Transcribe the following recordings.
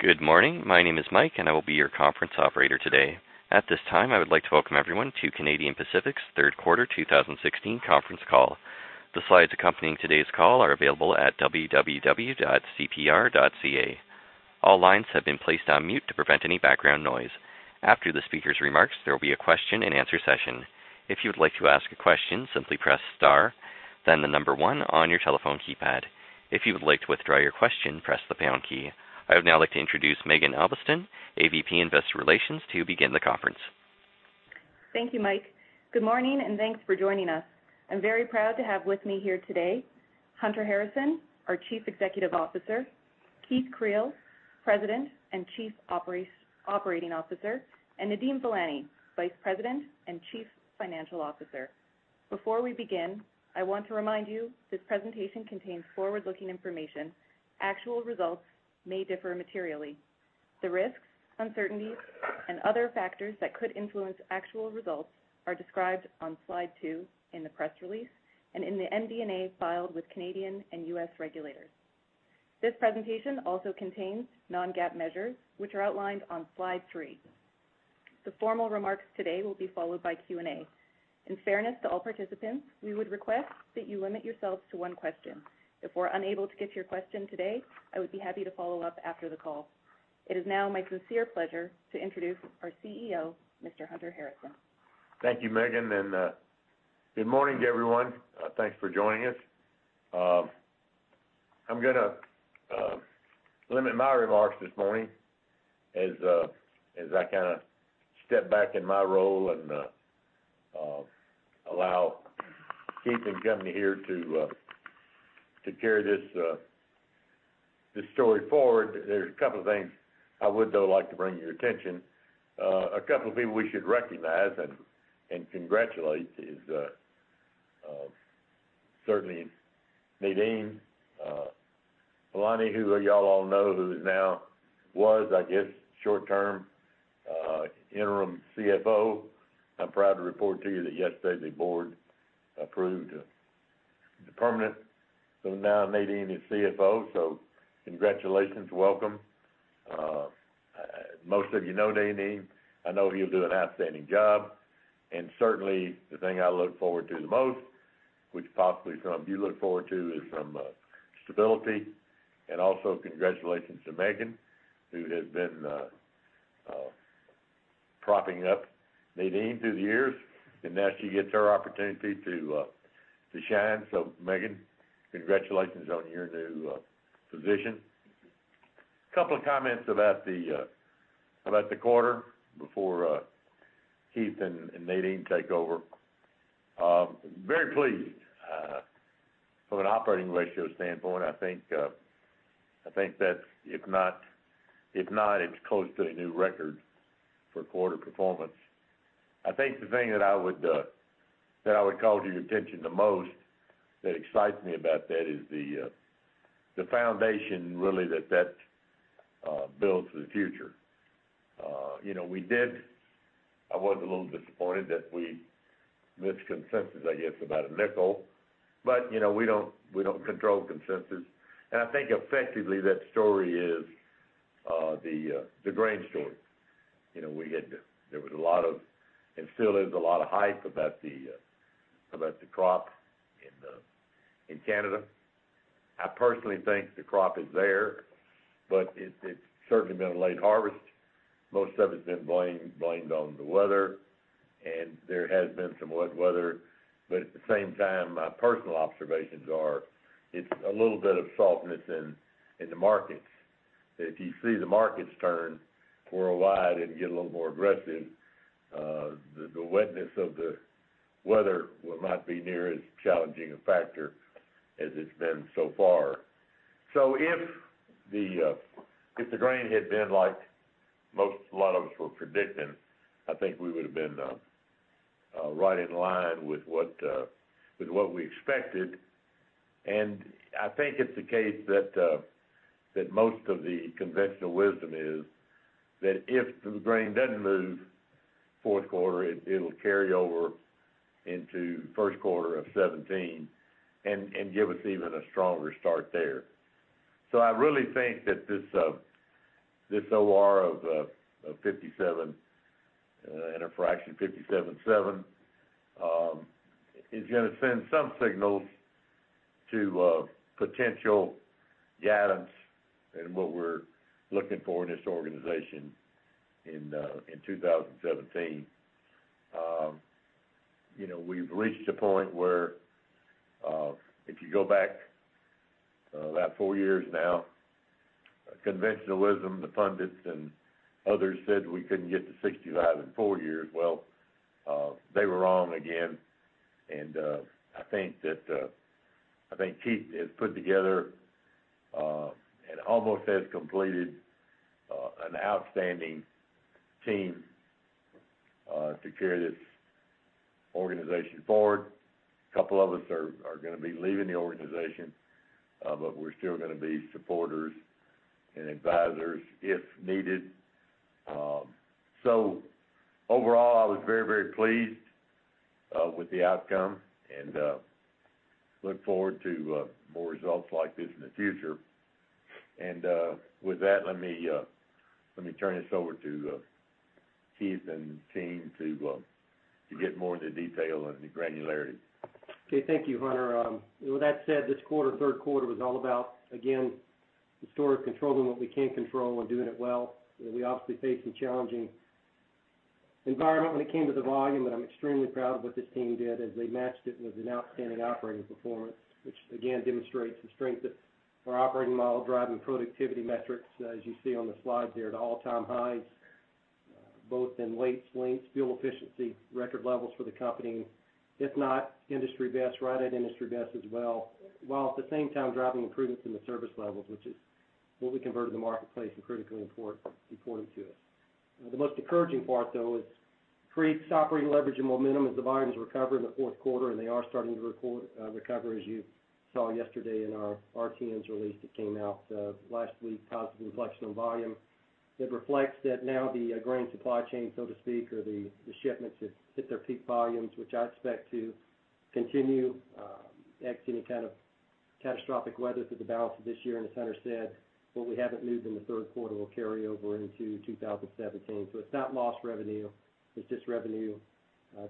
Good morning. My name is Mike, and I will be your conference operator today. At this time, I would like to welcome everyone to Canadian Pacific's third quarter 2016 conference call. The slides accompanying today's call are available at www.cpr.ca. All lines have been placed on mute to prevent any background noise. After the speaker's remarks, there will be a question-and-answer session. If you would like to ask a question, simply press star, then the number one on your telephone keypad. If you would like to withdraw your question, press the pound key. I would now like to introduce Maeghan Albiston, AVP Investor Relations, to begin the conference. Thank you, Mike. Good morning, and thanks for joining us. I'm very proud to have with me here today Hunter Harrison, our Chief Executive Officer, Keith Creel, President and Chief Operating Officer, and Nadeem Velani, Vice President and Chief Financial Officer. Before we begin, I want to remind you this presentation contains forward-looking information. Actual results may differ materially. The risks, uncertainties, and other factors that could influence actual results are described on slide 2 in the press release and in the MD&A filed with Canadian and U.S. regulators. This presentation also contains non-GAAP measures, which are outlined on slide 3. The formal remarks today will be followed by Q&A. In fairness to all participants, we would request that you limit yourselves to one question. If we're unable to get to your question today, I would be happy to follow up after the call. It is now my sincere pleasure to introduce our CEO, Mr. Hunter Harrison. Thank you, Maeghan. Good morning to everyone. Thanks for joining us. I'm going to limit my remarks this morning as I kind of step back in my role and allow Keith and company here to carry this story forward. There's a couple of things I would, though, like to bring to your attention. A couple of people we should recognize and congratulate is certainly Nadeem Velani, who y'all all know, who now was, I guess, short-term interim CFO. I'm proud to report to you that yesterday the board approved the permanent. Now Nadeem is CFO. Congratulations. Welcome. Most of you know Nadeem. I know he'll do an outstanding job. Certainly, the thing I look forward to the most, which possibly some of you look forward to, is some stability. Also congratulations to Maeghan, who has been propping up Nadeem through the years. Now she gets her opportunity to shine. Maeghan, congratulations on your new position. A couple of comments about the quarter before Keith and Nadeem take over. Very pleased. From an operating ratio standpoint, I think that's, if not, it's close to a new record for quarter performance. I think the thing that I would call to your attention the most that excites me about that is the foundation, really, that that builds for the future. I was a little disappointed that we missed consensus, I guess, about CAD 0.05. But we don't control consensus. I think effectively that story is the grain story. There was a lot of, and still is, a lot of hype about the crop in Canada. I personally think the crop is there, but it's certainly been a late harvest. Most of it's been blamed on the weather. There has been some wet weather. But at the same time, my personal observations are it's a little bit of softness in the markets. If you see the markets turn worldwide and get a little more aggressive, the wetness of the weather will not be near as challenging a factor as it's been so far. So if the grain had been like a lot of us were predicting, I think we would have been right in line with what we expected. And I think it's the case that most of the conventional wisdom is that if the grain doesn't move fourth quarter, it'll carry over into first quarter of 2017 and give us even a stronger start there. So I really think that this OR of 57.7 is going to send some signals to potential guidance in what we're looking for in this organization in 2017. We've reached a point where if you go back about four years now, conventional wisdom, the pundits, and others said we couldn't get to 65 in four years. Well, they were wrong again. And I think Keith has put together and almost has completed an outstanding team to carry this organization forward. A couple of us are going to be leaving the organization, but we're still going to be supporters and advisors if needed. So overall, I was very, very pleased with the outcome and look forward to more results like this in the future. And with that, let me turn this over to Keith and team to get more into detail and granularity. Okay. Thank you, Hunter. With that said, this quarter, third quarter, was all about, again, the story of controlling what we can't control and doing it well. We obviously faced a challenging environment when it came to the volume, but I'm extremely proud of what this team did as they matched it with an outstanding operating performance, which again demonstrates the strength of our operating model driving productivity metrics, as you see on the slide there, to all-time highs, both in weights, lengths, fuel efficiency, record levels for the company, and if not industry best, right at industry best as well, while at the same time driving improvements in the service levels, which is what we converted to the marketplace and critically important to us. The most encouraging part, though, is Keith's operating leverage and momentum as the volumes recover in the fourth quarter, and they are starting to recover as you saw yesterday in our RTM's release that came out last week, positive inflection on volume, that reflects that now the grain supply chain, so to speak, or the shipments have hit their peak volumes, which I expect to continue ex any kind of catastrophic weather through the balance of this year. And as Hunter said, what we haven't moved in the third quarter will carry over into 2017. So it's not lost revenue. It's just revenue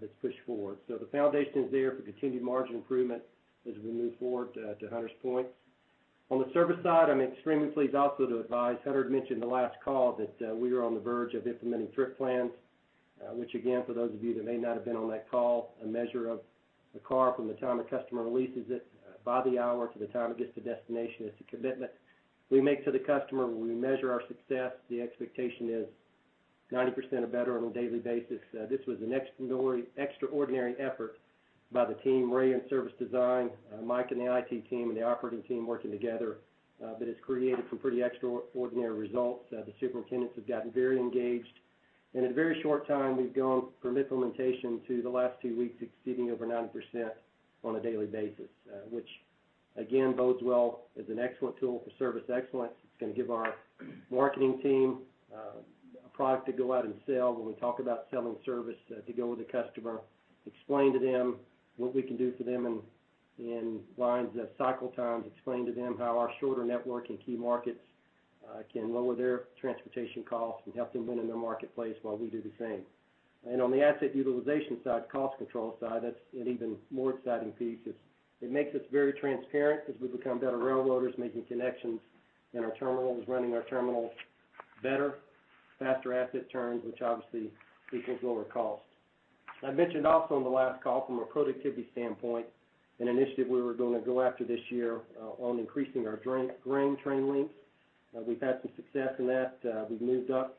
that's pushed forward. So the foundation is there for continued margin improvement as we move forward to Hunter's points. On the service side, I'm extremely pleased also to advise Hunter had mentioned the last call that we were on the verge of implementing trip plans, which again, for those of you that may not have been on that call, a measure of the car from the time a customer releases it by the hour to the time it gets to destination is the commitment we make to the customer. When we measure our success, the expectation is 90% or better on a daily basis. This was an extraordinary effort by the team, Ray in service design, Mike in the IT team, and the operating team working together, but it's created some pretty extraordinary results. The superintendents have gotten very engaged. In a very short time, we've gone from implementation to the last two weeks exceeding over 90% on a daily basis, which again bodes well as an excellent tool for service excellence. It's going to give our marketing team a product to go out and sell when we talk about selling service, to go with the customer, explain to them what we can do for them in lines of cycle times, explain to them how our shorter network in key markets can lower their transportation costs and help them win in the marketplace while we do the same. And on the asset utilization side, cost control side, that's an even more exciting piece. It makes us very transparent as we become better railroaders making connections in our terminals, running our terminals better, faster asset turns, which obviously equals lower cost. I mentioned also on the last call from a productivity standpoint an initiative we were going to go after this year on increasing our grain train lengths. We've had some success in that. We've moved up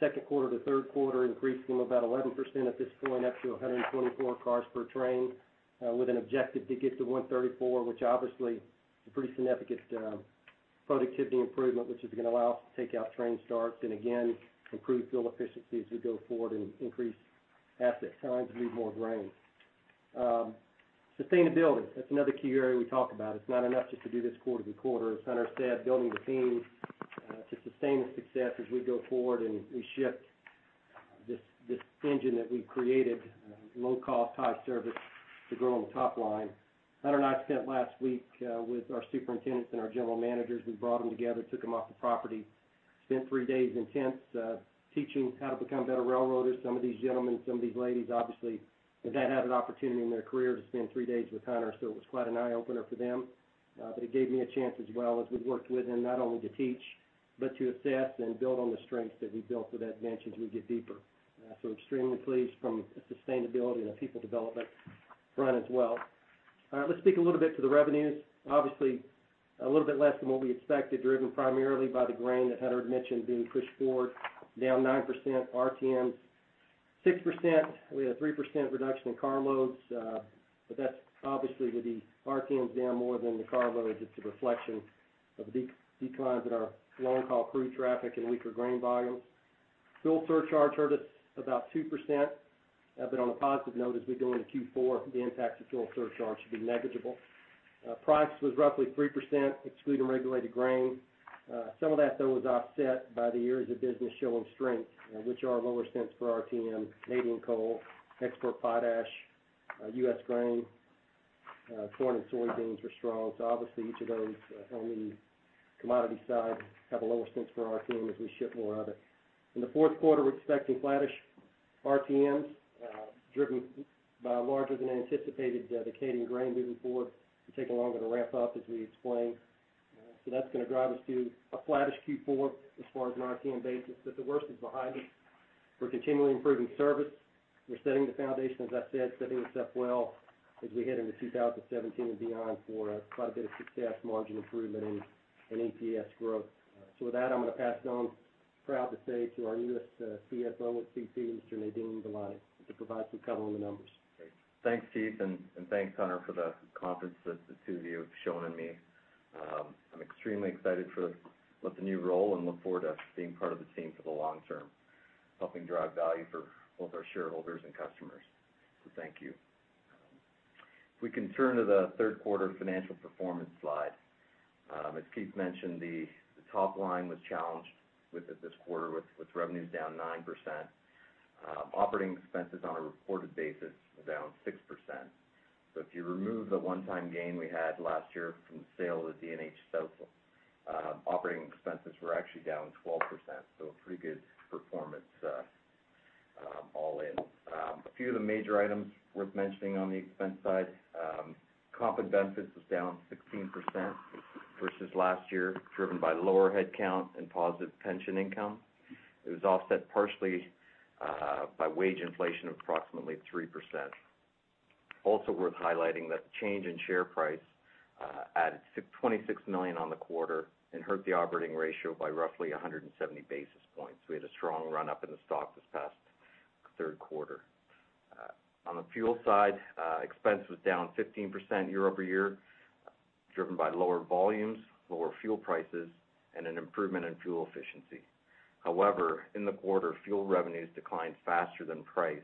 second quarter to third quarter, increasing them about 11% at this point up to 124 cars per train with an objective to get to 134, which obviously is a pretty significant productivity improvement, which is going to allow us to take out train starts and again improve fuel efficiency as we go forward and increase asset times and leave more grain. Sustainability, that's another key area we talk about. It's not enough just to do this quarter-to-quarter. As Hunter said, building the team to sustain the success as we go forward and we shift this engine that we've created, low cost, high service, to grow on the top line. Hunter and I spent last week with our superintendents and our general managers. We brought them together, took them off the property, spent three days intense teaching how to become better railroaders. Some of these gentlemen, some of these ladies obviously have not had an opportunity in their career to spend three days with Hunter, so it was quite an eye-opener for them. But it gave me a chance as well as we've worked with them not only to teach but to assess and build on the strengths that we built with adventures we get deeper. So extremely pleased from a sustainability and a people development front as well. All right. Let's speak a little bit to the revenues. Obviously, a little bit less than what we expected, driven primarily by the grain that Hunter had mentioned being pushed forward, down 9%, RTMs 6%. We had a 3% reduction in carloads, but that's obviously with the RTMs down more than the carloads. It's a reflection of declines in our long-haul crude traffic and weaker grain volumes. Fuel surcharge hurt us about 2%. But on a positive note, as we go into Q4, the impact of fuel surcharge should be negligible. Price was roughly 3% excluding regulated grain. Some of that, though, was offset by the areas of business showing strength, which are lower yields for RTM, domestic coal, export potash, US grain. Corn and soybeans were strong. So obviously, each of those on the commodity side have a lower yields for RTM as we ship more of it. In the fourth quarter, we're expecting flat-ish RTMs driven by larger than anticipated decline in grain moving forward. It's taking longer to ramp up, as we explained. So that's going to drive us to a flat-ish Q4 as far as an RTM basis. But the worst is behind us. We're continually improving service. We're setting the foundation, as I said, setting this up well as we head into 2017 and beyond for quite a bit of success, margin improvement, and EPS growth. So with that, I'm going to pass it on, proud to say, to our newest CFO at CP, Mr. Nadeem Velani, to provide some cover on the numbers. Thanks, Keith. Thanks, Hunter, for the confidence that the two of you have shown me. I'm extremely excited for the new role and look forward to being part of the team for the long term, helping drive value for both our shareholders and customers. Thank you. If we can turn to the third quarter financial performance slide. As Keith mentioned, the top line was challenged this quarter, with revenues down 9%. Operating expenses on a reported basis were down 6%. If you remove the one-time gain we had last year from the D&H sale, operating expenses were actually down 12%. A pretty good performance all in. A few of the major items worth mentioning on the expense side, comp and benefits was down 16% versus last year, driven by lower headcount and positive pension income. It was offset partially by wage inflation of approximately 3%. Also worth highlighting that the change in share price added 26 million on the quarter and hurt the operating ratio by roughly 170 basis points. We had a strong run-up in the stock this past third quarter. On the fuel side, expense was down 15% year-over-year, driven by lower volumes, lower fuel prices, and an improvement in fuel efficiency. However, in the quarter, fuel revenues declined faster than price,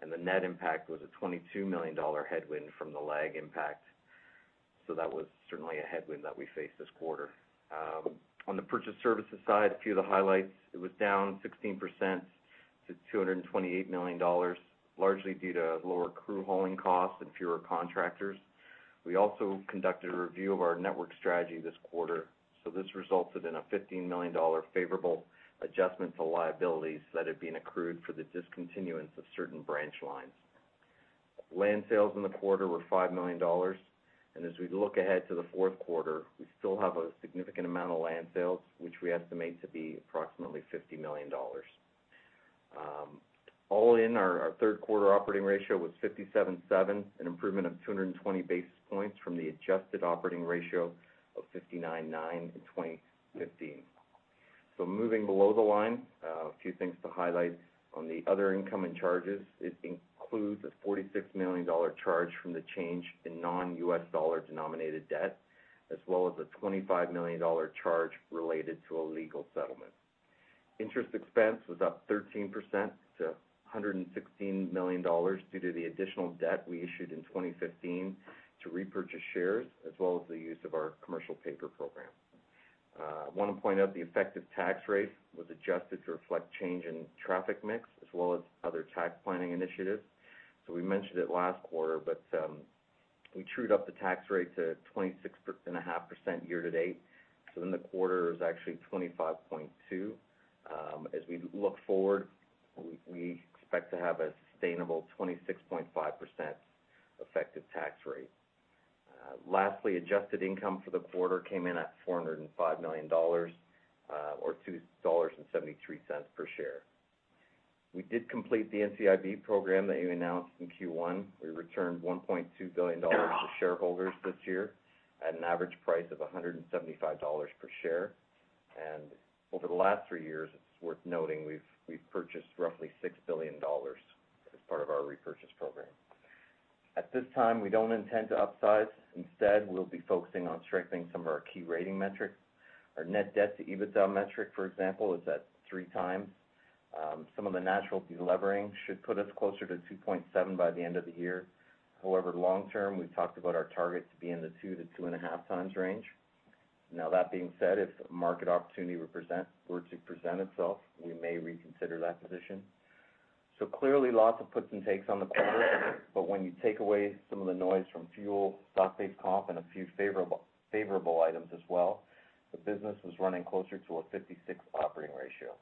and the net impact was a 22 million dollar headwind from the lag impact. So that was certainly a headwind that we faced this quarter. On the purchase services side, a few of the highlights, it was down 16% to 228 million dollars, largely due to lower crew hauling costs and fewer contractors. We also conducted a review of our network strategy this quarter. This resulted in a 15 million dollar favorable adjustment to liabilities that had been accrued for the discontinuance of certain branch lines. Land sales in the quarter were 5 million dollars. As we look ahead to the fourth quarter, we still have a significant amount of land sales, which we estimate to be approximately 50 million dollars. All in, our third quarter operating ratio was 57.7, an improvement of 220 basis points from the adjusted operating ratio of 59.9 in 2015. Moving below the line, a few things to highlight on the other income and charges. It includes a 46 million dollar charge from the change in non-U.S. dollar denominated debt as well as a 25 million dollar charge related to a legal settlement. Interest expense was up 13% to 116 million dollars due to the additional debt we issued in 2015 to repurchase shares as well as the use of our commercial paper program. I want to point out the effective tax rate was adjusted to reflect change in traffic mix as well as other tax planning initiatives. So we mentioned it last quarter, but we trued up the tax rate to 26.5% year to date. So in the quarter, it was actually 25.2%. As we look forward, we expect to have a sustainable 26.5% effective tax rate. Lastly, adjusted income for the quarter came in at 405 million dollars or 2.73 dollars per share. We did complete the NCIB program that you announced in Q1. We returned 1.2 billion dollars to shareholders this year at an average price of 175 dollars per share. Over the last three years, it's worth noting we've purchased roughly 6 billion dollars as part of our repurchase program. At this time, we don't intend to upsize. Instead, we'll be focusing on strengthening some of our key rating metrics. Our net debt to EBITDA metric, for example, is at 3x. Some of the natural delevering should put us closer to 2.7 by the end of the year. However, long term, we've talked about our target to be in the 2x-2.5x range. Now, that being said, if market opportunity were to present itself, we may reconsider that position. So clearly, lots of puts and takes on the quarter. But when you take away some of the noise from fuel, stock-based comp, and a few favorable items as well, the business was running closer to a 56 operating ratio.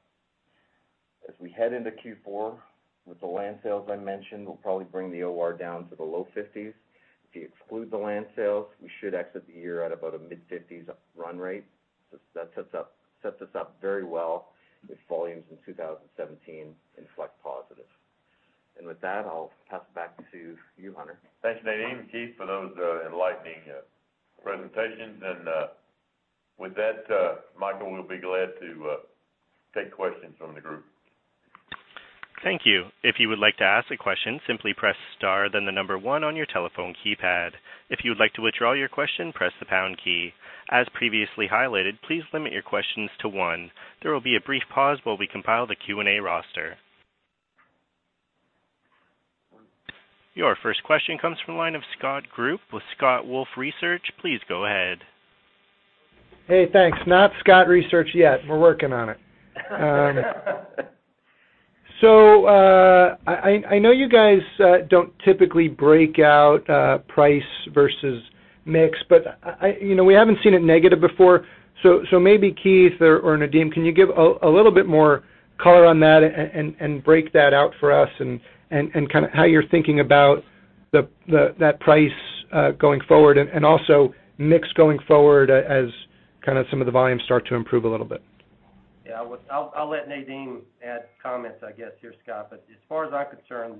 As we head into Q4, with the land sales I mentioned, we'll probably bring the OR down to the low 50s. If you exclude the land sales, we should exit the year at about a mid-50s run rate. So that sets us up very well if volumes in 2017 inflect positive. And with that, I'll pass it back to you, Hunter. Thanks, Nadeem and Keith, for those enlightening presentations. With that, Michael, we'll be glad to take questions from the group. Thank you. If you would like to ask a question, simply press star, then the number one on your telephone keypad. If you would like to withdraw your question, press the pound key. As previously highlighted, please limit your questions to one. There will be a brief pause while we compile the Q&A roster. Your first question comes from the line of Scott Group with Wolfe Research. Please go ahead. Hey, thanks. Not Scott Research yet. We're working on it. So I know you guys don't typically break out price versus mix, but we haven't seen it negative before. So maybe Keith or Nadeem, can you give a little bit more color on that and break that out for us and kind of how you're thinking about that price going forward and also mix going forward as kind of some of the volumes start to improve a little bit? Yeah. I'll let Nadeem add comments, I guess, here, Scott. But as far as I'm concerned,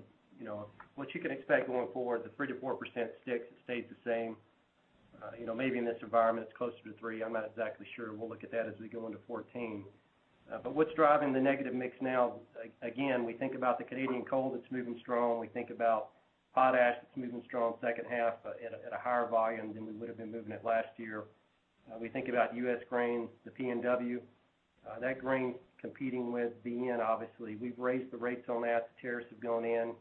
what you can expect going forward, the 3%-4% sticks. It stays the same. Maybe in this environment, it's closer to 3%. I'm not exactly sure. We'll look at that as we go into 2014. But what's driving the negative mix now? Again, we think about the Canadian coal that's moving strong. We think about Potash that's moving strong second half at a higher volume than we would have been moving at last year. We think about US grain, the P&W. That grain competing with BN, obviously. We've raised the rates on that. The tariffs have gone in.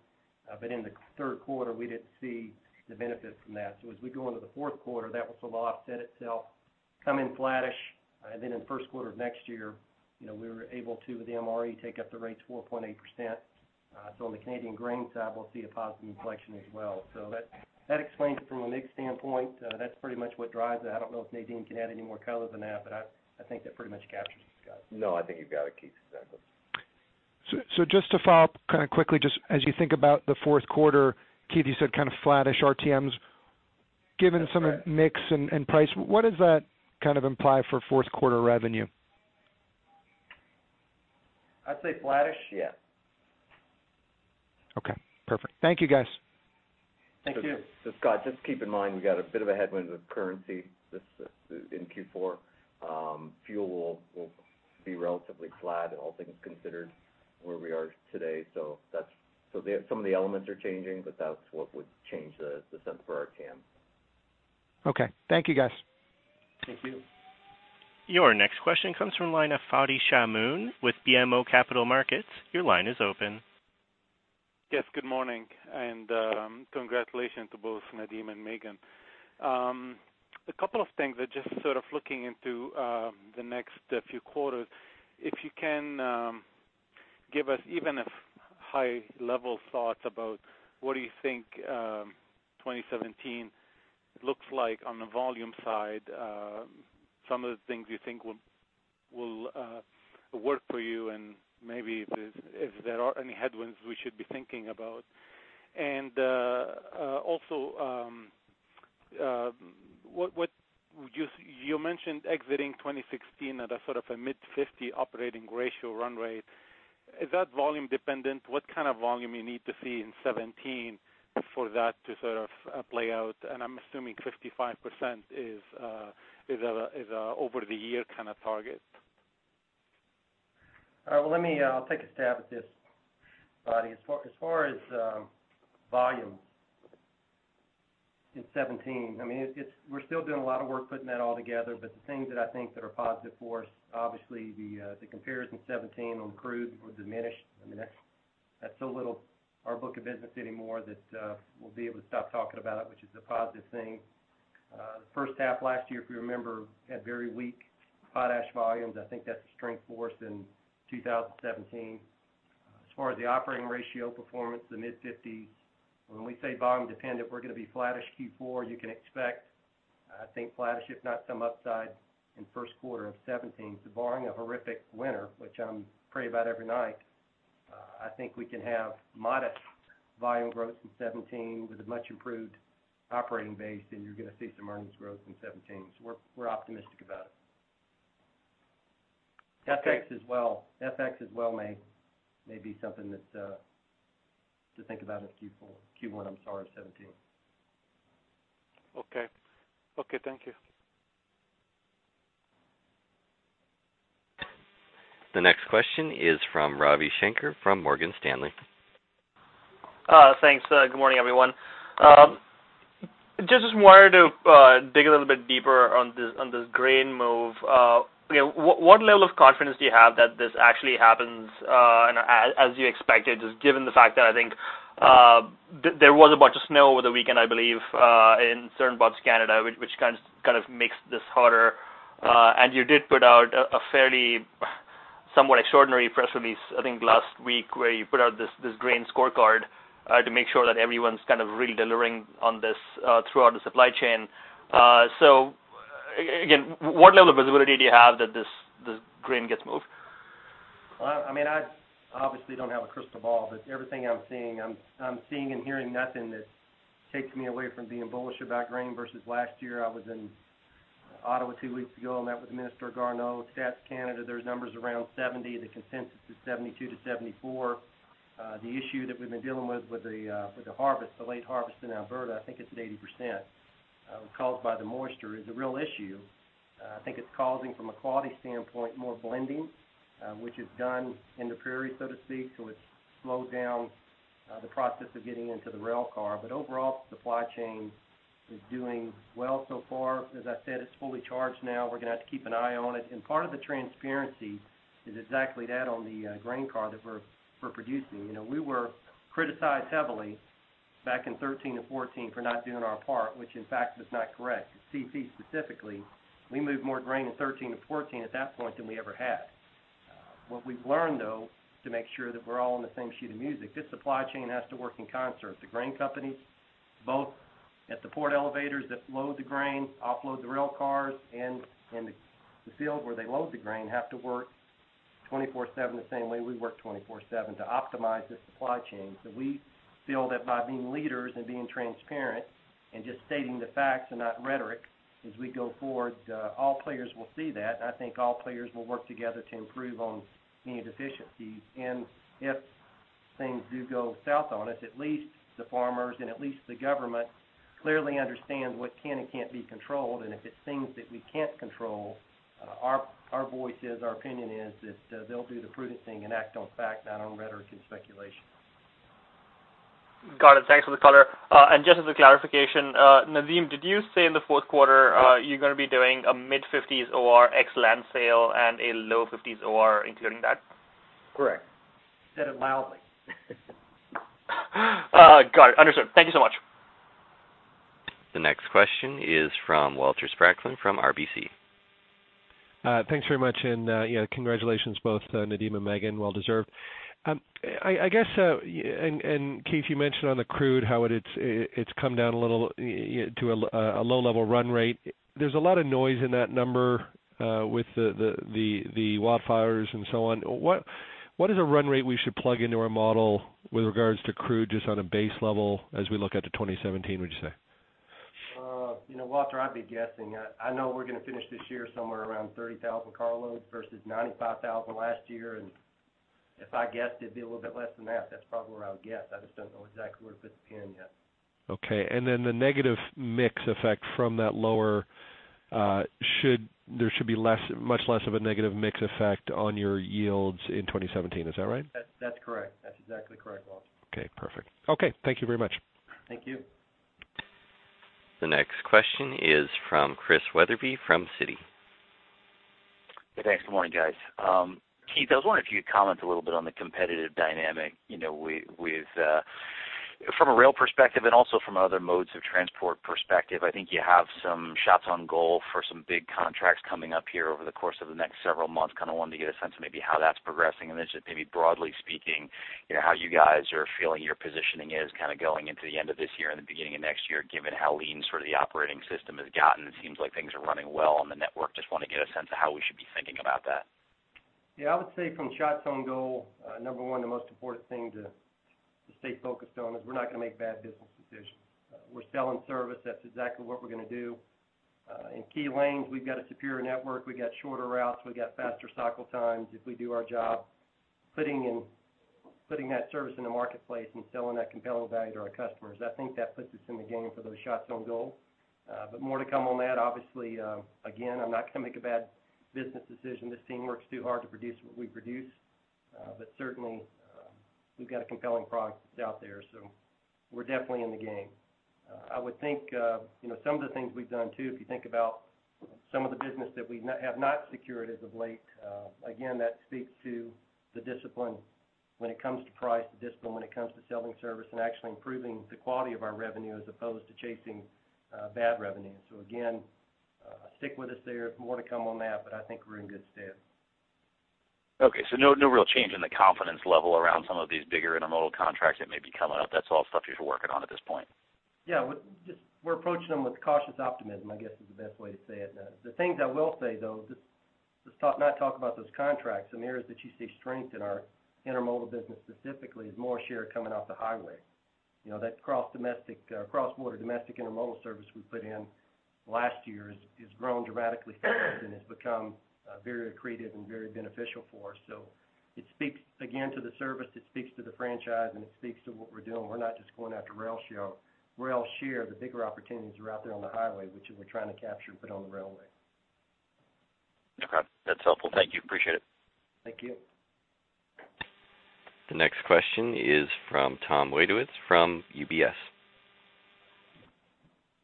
But in the third quarter, we didn't see the benefit from that. So as we go into the fourth quarter, that was a little offset itself, come in flat-ish. Then in the first quarter of next year, we were able to, with the MRE, take up the rates 4.8%. On the Canadian grain side, we'll see a positive inflection as well. That explains it from a mix standpoint. That's pretty much what drives it. I don't know if Nadeem can add any more color than that, but I think that pretty much captures it, Scott. No, I think you've got it, Keith, exactly. So just to follow up kind of quickly, just as you think about the fourth quarter, Keith, you said kind of flat-ish RTMs. Given some of the mix and price, what does that kind of imply for fourth quarter revenue? I'd say flat-ish, yeah. Okay. Perfect. Thank you, guys. Thank you. So Scott, just keep in mind we got a bit of a headwind with currency in Q4. Fuel will be relatively flat, all things considered, where we are today. So some of the elements are changing, but that's what would change the sense for RTM. Okay. Thank you, guys. Thank you. Your next question comes from line of Fadi Chamoun with BMO Capital Markets. Your line is open. Yes. Good morning. Congratulations to both Nadeem and Maeghan. A couple of things that just sort of looking into the next few quarters. If you can give us even high-level thoughts about what do you think 2017 looks like on the volume side, some of the things you think will work for you, and maybe if there are any headwinds we should be thinking about. And also, you mentioned exiting 2016 at sort of a mid-50 operating ratio run rate. Is that volume-dependent? What kind of volume you need to see in 2017 for that to sort of play out? And I'm assuming 55% is an over-the-year kind of target. Well, I'll take a stab at this, Fadi. As far as volumes in 2017, I mean, we're still doing a lot of work putting that all together. But the things that I think that are positive for us, obviously, the comparison 2017 on crude were diminished. I mean, that's so little our book of business anymore that we'll be able to stop talking about it, which is a positive thing. The first half last year, if you remember, had very weak potash volumes. I think that's a strength for us in 2017. As far as the operating ratio performance, the mid-50s, when we say volume-dependent, we're going to be flat-ish Q4. You can expect, I think, flat-ish, if not some upside, in first quarter of 2017, so barring a horrific winter, which I pray about every night, I think we can have modest volume growth in 2017 with a much improved operating base, and you're going to see some earnings growth in 2017. So we're optimistic about it. FX as well. FX as well may be something to think about in Q1, I'm sorry, of 2017. Okay. Okay. Thank you. The next question is from Ravi Shanker from Morgan Stanley. Thanks. Good morning, everyone. Just wanted to dig a little bit deeper on this grain move. Again, what level of confidence do you have that this actually happens as you expected, just given the fact that I think there was a bunch of snow over the weekend, I believe, in certain parts of Canada, which kind of makes this harder? You did put out a fairly somewhat extraordinary press release, I think, last week where you put out this grain scorecard to make sure that everyone's kind of really delivering on this throughout the supply chain. So again, what level of visibility do you have that this grain gets moved? Well, I mean, I obviously don't have a crystal ball, but everything I'm seeing, I'm seeing and hearing nothing that takes me away from being bullish about grain versus last year. I was in Ottawa two weeks ago, and that was Minister Garneau. Stats Canada, there's numbers around 70. The consensus is 72-74. The issue that we've been dealing with with the harvest, the late harvest in Alberta, I think it's at 80%, caused by the moisture, is a real issue. I think it's causing, from a quality standpoint, more blending, which is done in the prairie, so to speak. So it's slowed down the process of getting into the railcar. But overall, the supply chain is doing well so far. As I said, it's fully charged now. We're going to have to keep an eye on it. Part of the transparency is exactly that on the grain car that we're producing. We were criticized heavily back in 2013 and 2014 for not doing our part, which, in fact, was not correct. CN specifically, we moved more grain in 2013 and 2014 at that point than we ever had. What we've learned, though, to make sure that we're all on the same sheet of music, this supply chain has to work in concert. The grain companies, both at the port elevators that load the grain, offload the railcars, and in the field where they load the grain, have to work 24/7 the same way we work 24/7 to optimize this supply chain. So we feel that by being leaders and being transparent and just stating the facts and not rhetoric as we go forward, all players will see that. I think all players will work together to improve on any deficiencies. If things do go south on us, at least the farmers and at least the government clearly understand what can and can't be controlled. If it's things that we can't control, our voice is, our opinion is that they'll do the prudent thing and act on fact, not on rhetoric and speculation. Got it. Thanks for the color. Just as a clarification, Nadeem, did you say in the fourth quarter you're going to be doing a mid-50s OR ex-land sale and a low-50s OR including that? Correct. Said it loudly. Got it. Understood. Thank you so much. The next question is from Walter Spracklin from RBC. Thanks very much. And congratulations, both Nadeem and Maeghan. Well-deserved. I guess, and Keith, you mentioned on the crude how it's come down a little to a low-level run rate. There's a lot of noise in that number with the wildfires and so on. What is a run rate we should plug into our model with regards to crude just on a base level as we look at the 2017, would you say? Walter, I'd be guessing. I know we're going to finish this year somewhere around 30,000 car loads versus 95,000 last year. If I guessed, it'd be a little bit less than that. That's probably where I would guess. I just don't know exactly where to put the pin yet. Okay. Then the negative mix effect from that lower, there should be much less of a negative mix effect on your yields in 2017. Is that right? That's correct. That's exactly correct, Walter. Okay. Perfect. Okay. Thank you very much. Thank you. The next question is from Chris Wetherbee from Citigroup. Hey, thanks. Good morning, guys. Keith, I was wondering if you could comment a little bit on the competitive dynamic from a rail perspective and also from other modes of transport perspective. I think you have some shots on goal for some big contracts coming up here over the course of the next several months. Kind of wanted to get a sense of maybe how that's progressing. And then just maybe broadly speaking, how you guys are feeling your positioning is kind of going into the end of this year and the beginning of next year, given how lean sort of the operating system has gotten. It seems like things are running well on the network. Just want to get a sense of how we should be thinking about that. Yeah. I would say from shots on goal, number one, the most important thing to stay focused on is we're not going to make bad business decisions. We're selling service. That's exactly what we're going to do. In key lanes, we've got a superior network. We've got shorter routes. We've got faster cycle times if we do our job putting that service in the marketplace and selling that compelling value to our customers. I think that puts us in the game for those shots on goal. But more to come on that. Obviously, again, I'm not going to make a bad business decision. This team works too hard to produce what we produce. But certainly, we've got a compelling product that's out there. So we're definitely in the game. I would think some of the things we've done too, if you think about some of the business that we have not secured as of late, again, that speaks to the discipline when it comes to price, the discipline when it comes to selling service, and actually improving the quality of our revenue as opposed to chasing bad revenue. So again, stick with us there. More to come on that, but I think we're in good stead. Okay. So no real change in the confidence level around some of these bigger intermodal contracts that may be coming up. That's all stuff you're working on at this point? Yeah. We're approaching them with cautious optimism, I guess, is the best way to say it. The things I will say, though, just not talk about those contracts. Some areas that you see strength in our intermodal business specifically is more share coming off the highway. That cross-border domestic intermodal service we put in last year has grown dramatically fast and has become very accretive and very beneficial for us. So it speaks, again, to the service. It speaks to the franchise, and it speaks to what we're doing. We're not just going after rail share. The bigger opportunities are out there on the highway, which we're trying to capture and put on the railway. Okay. That's helpful. Thank you. Appreciate it. Thank you. The next question is from Tom Wadewitz from UBS.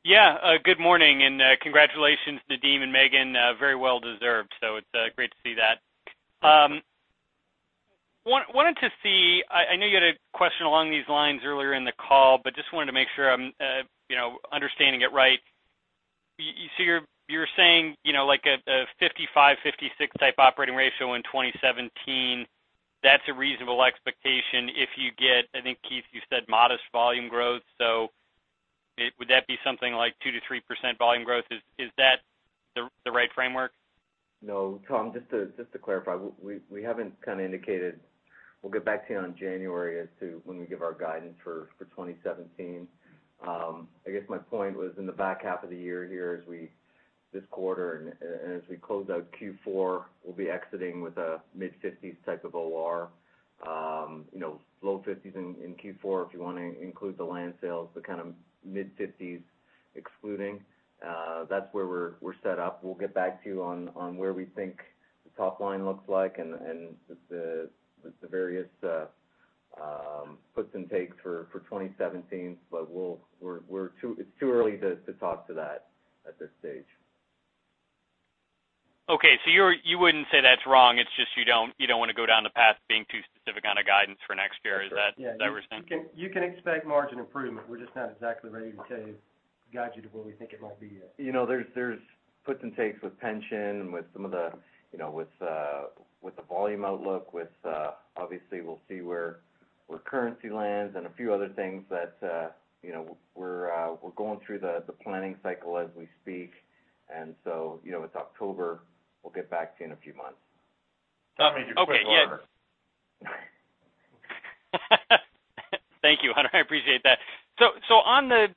Yeah. Good morning. And congratulations, Nadeem and Maeghan. Very well-deserved. So it's great to see that. I wanted to see. I know you had a question along these lines earlier in the call, but just wanted to make sure I'm understanding it right. So you're saying a 55-56 type operating ratio in 2017. That's a reasonable expectation if you get, I think, Keith, you said, modest volume growth. So would that be something like 2% to 3% volume growth? Is that the right framework? No, Tom, just to clarify, we haven't kind of indicated we'll get back to you on January as to when we give our guidance for 2017. I guess my point was in the back half of the year here, this quarter, and as we close out Q4, we'll be exiting with a mid-50s type of OR, low-50s in Q4 if you want to include the land sales, the kind of mid-50s excluding. That's where we're set up. We'll get back to you on where we think the top line looks like and the various puts and takes for 2017. But it's too early to talk to that at this stage. Okay. So you wouldn't say that's wrong. It's just you don't want to go down the path of being too specific on a guidance for next year. Is that what you're saying? Yeah. You can expect margin improvement. We're just not exactly ready to guide you to where we think it might be yet. There's puts and takes with pension and with some of the volume outlook. Obviously, we'll see where currency lands and a few other things that we're going through the planning cycle as we speak. And so it's October. We'll get back to you in a few months. Tom needs your quick water. Okay. Yes. Thank you, Hunter. I appreciate that. So on the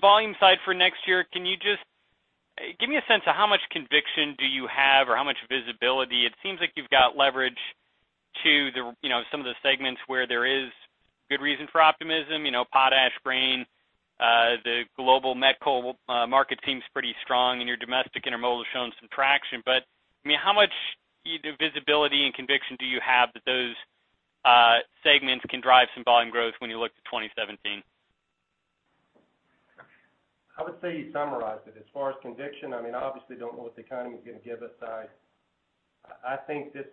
volume side for next year, can you just give me a sense of how much conviction do you have or how much visibility? It seems like you've got leverage to some of the segments where there is good reason for optimism, potash grain. The global met coal market seems pretty strong, and your domestic intermodal has shown some traction. But I mean, how much visibility and conviction do you have that those segments can drive some volume growth when you look to 2017? I would say you summarized it. As far as conviction, I mean, obviously, don't know what the economy's going to give us. I think this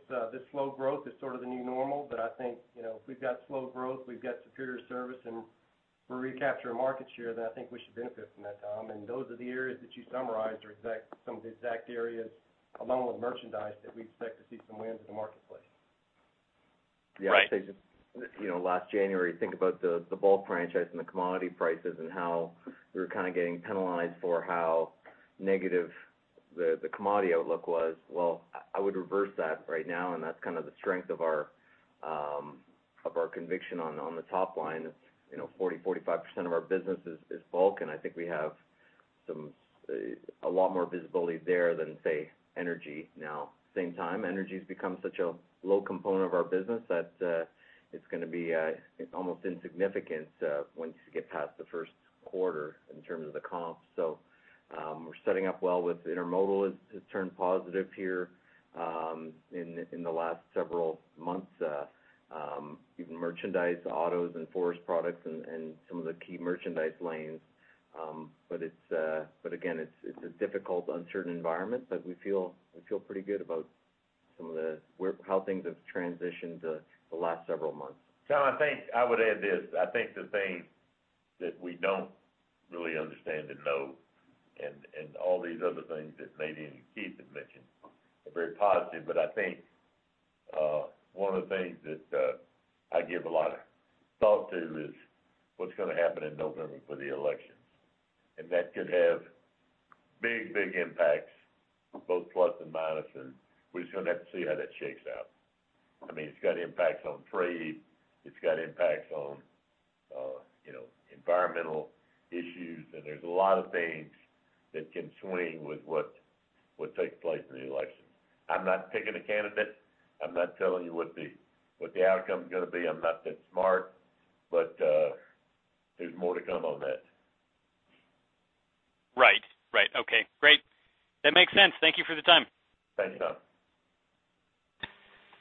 slow growth is sort of the new normal. But I think if we've got slow growth, we've got superior service, and we're recapturing market share, then I think we should benefit from that time. And those are the areas that you summarized are some of the exact areas, along with merchandise, that we expect to see some wins in the marketplace. Yeah. I say just last January, think about the bulk franchise and the commodity prices and how we were kind of getting penalized for how negative the commodity outlook was. Well, I would reverse that right now. And that's kind of the strength of our conviction on the top line. 40%-45% of our business is bulk. And I think we have a lot more visibility there than, say, energy now. Same time, energy has become such a low component of our business that it's going to be almost insignificant once you get past the first quarter in terms of the comps. So we're setting up well with intermodal. It's turned positive here in the last several months, even merchandise, autos, and forest products and some of the key merchandise lanes. But again, it's a difficult, uncertain environment. But we feel pretty good about how things have transitioned the last several months. Tom, I would add this. I think the things that we don't really understand and know, and all these other things that Nadeem and Keith have mentioned, are very positive. But I think one of the things that I give a lot of thought to is what's going to happen in November for the elections. And that could have big, big impacts, both plus and minus. And we're just going to have to see how that shakes out. I mean, it's got impacts on trade. It's got impacts on environmental issues. And there's a lot of things that can swing with what takes place in the elections. I'm not picking a candidate. I'm not telling you what the outcome's going to be. I'm not that smart. But there's more to come on that. Right. Right. Okay. Great. That makes sense. Thank you for the time. Thanks, Tom.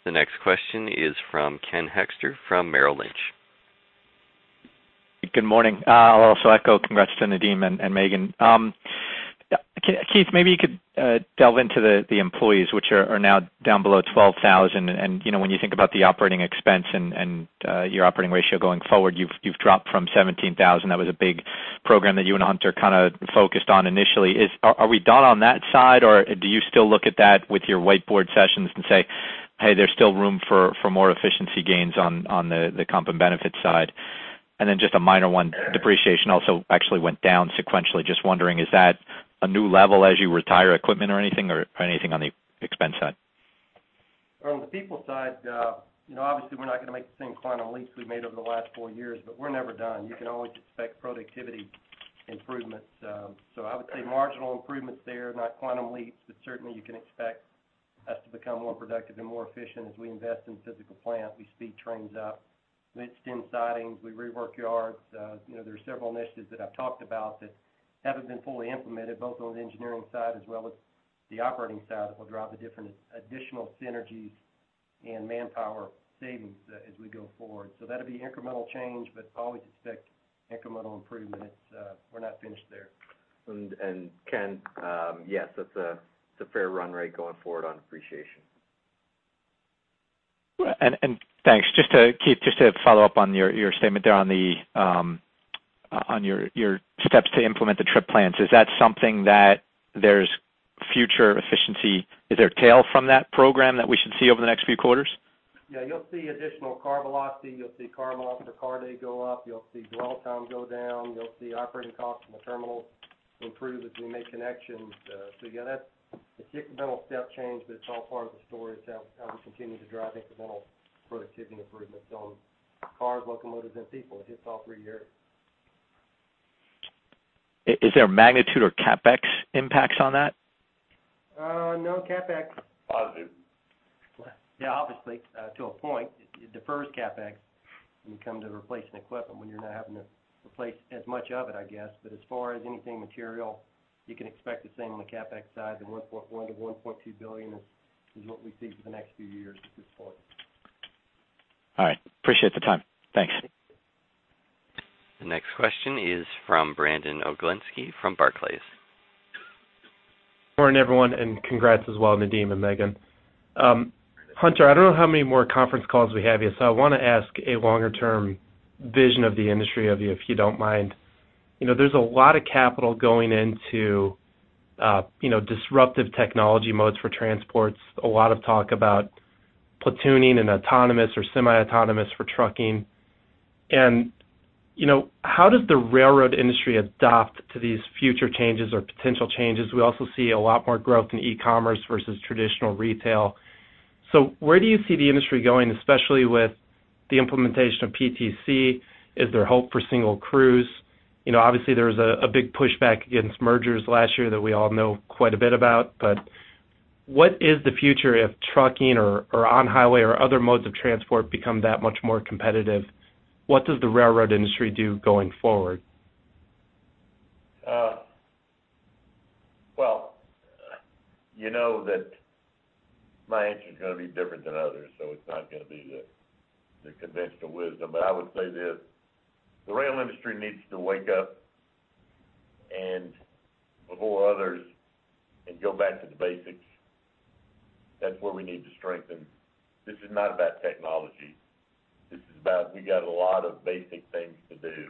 The next question is from Ken Hoexter from Merrill Lynch. Good morning. I'll also echo. Congrats to Nadeem and Maeghan. Keith, maybe you could delve into the employees, which are now down below 12,000. And when you think about the operating expense and your operating ratio going forward, you've dropped from 17,000. That was a big program that you and Hunter kind of focused on initially. Are we done on that side, or do you still look at that with your whiteboard sessions and say, "Hey, there's still room for more efficiency gains on the comp and benefits side"? And then just a minor one, depreciation also actually went down sequentially. Just wondering, is that a new level as you retire equipment or anything or anything on the expense side? On the people side, obviously, we're not going to make the same quantum leaps we made over the last four years. But we're never done. You can always expect productivity improvements. So I would say marginal improvements there, not quantum leaps. But certainly, you can expect us to become more productive and more efficient as we invest in physical plant. We speed trains up. We extend sidings. We rework yards. There are several initiatives that I've talked about that haven't been fully implemented, both on the engineering side as well as the operating side, that will drive the different additional synergies and manpower savings as we go forward. So that'll be incremental change, but always expect incremental improvement. We're not finished there. Ken, yes, it's a fair run rate going forward on depreciation. Thanks. Keith, just to follow up on your statement there on your steps to implement the Trip Plan, is that something that there's future efficiency? Is there a tail from that program that we should see over the next few quarters? Yeah. You'll see additional car velocity. You'll see car miles per car day go up. You'll see dwell time go down. You'll see operating costs in the terminals improve as we make connections. So yeah, it's incremental step change, but it's all part of the story as to how we continue to drive incremental productivity improvements on cars, locomotives, and people. It hits all three areas. Is there magnitude or CapEx impacts on that? No. Capex. Positive. Yeah. Obviously, to a point, it defers CapEx when you come to replacing equipment when you're not having to replace as much of it, I guess. But as far as anything material, you can expect the same on the CapEx side. The 1.1 billion-1.2 billion is what we see for the next few years at this point. All right. Appreciate the time. Thanks. The next question is from Brandon Oglenski from Barclays. Morning, everyone. Congrats as well, Nadeem and Maeghan. Hunter, I don't know how many more conference calls we have yet. So I want to ask a longer-term vision of the industry of you if you don't mind. There's a lot of capital going into disruptive technology modes for transports. A lot of talk about platooning and autonomous or semi-autonomous for trucking. How does the railroad industry adapt to these future changes or potential changes? We also see a lot more growth in e-commerce versus traditional retail. So where do you see the industry going, especially with the implementation of PTC? Is there hope for single crews? Obviously, there was a big pushback against mergers last year that we all know quite a bit about. What is the future if trucking or on-highway or other modes of transport become that much more competitive? What does the railroad industry do going forward? Well, you know that my answer is going to be different than others. So it's not going to be the conventional wisdom. But I would say this: the rail industry needs to wake up before others and go back to the basics. That's where we need to strengthen. This is not about technology. This is about we got a lot of basic things to do.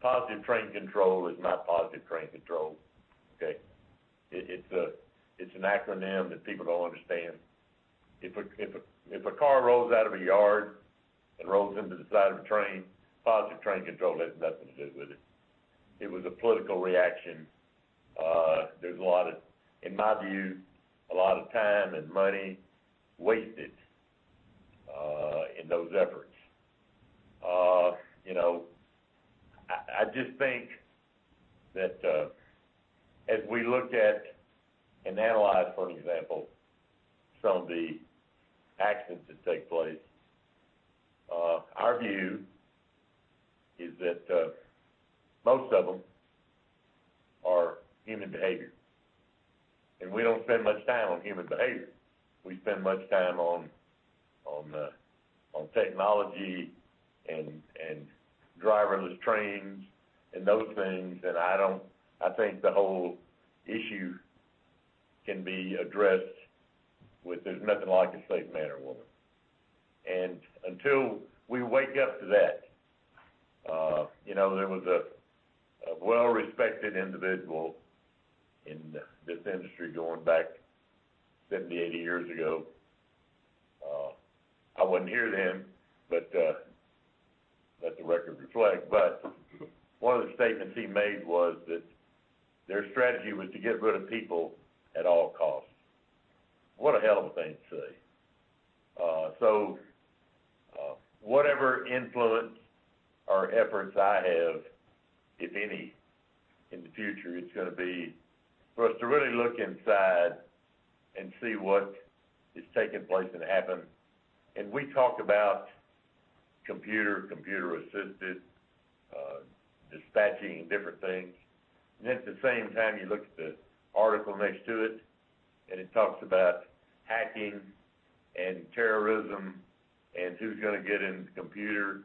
Positive Train Control is not Positive Train Control, okay? It's an acronym that people don't understand. If a car rolls out of a yard and rolls into the side of a train, Positive Train Control has nothing to do with it. It was a political reaction. There's a lot of, in my view, a lot of time and money wasted in those efforts. I just think that as we look at and analyze, for example, some of the accidents that take place, our view is that most of them are human behavior. We don't spend much time on human behavior. We spend much time on technology and driverless trains and those things. I think the whole issue can be addressed with there's nothing like a safe man-hour. Until we wake up to that, there was a well-respected individual in this industry going back 70, 80 years ago. I won't name him, but let the record reflect. One of the statements he made was that their strategy was to get rid of people at all costs. What a hell of a thing to say. So whatever influence or efforts I have, if any, in the future, it's going to be for us to really look inside and see what is taking place and happen. We talk about computer, computer-assisted dispatching and different things. Then at the same time, you look at the article next to it, and it talks about hacking and terrorism and who's going to get in the computer.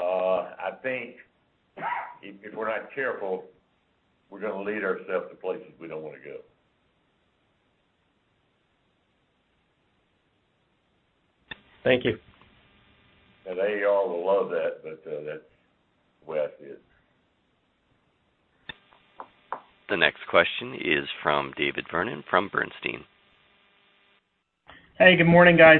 I think if we're not careful, we're going to lead ourselves to places we don't want to go. Thank you. Now, the AAR will love that, but that's the way I see it. The next question is from David Vernon from Bernstein. Hey. Good morning, guys.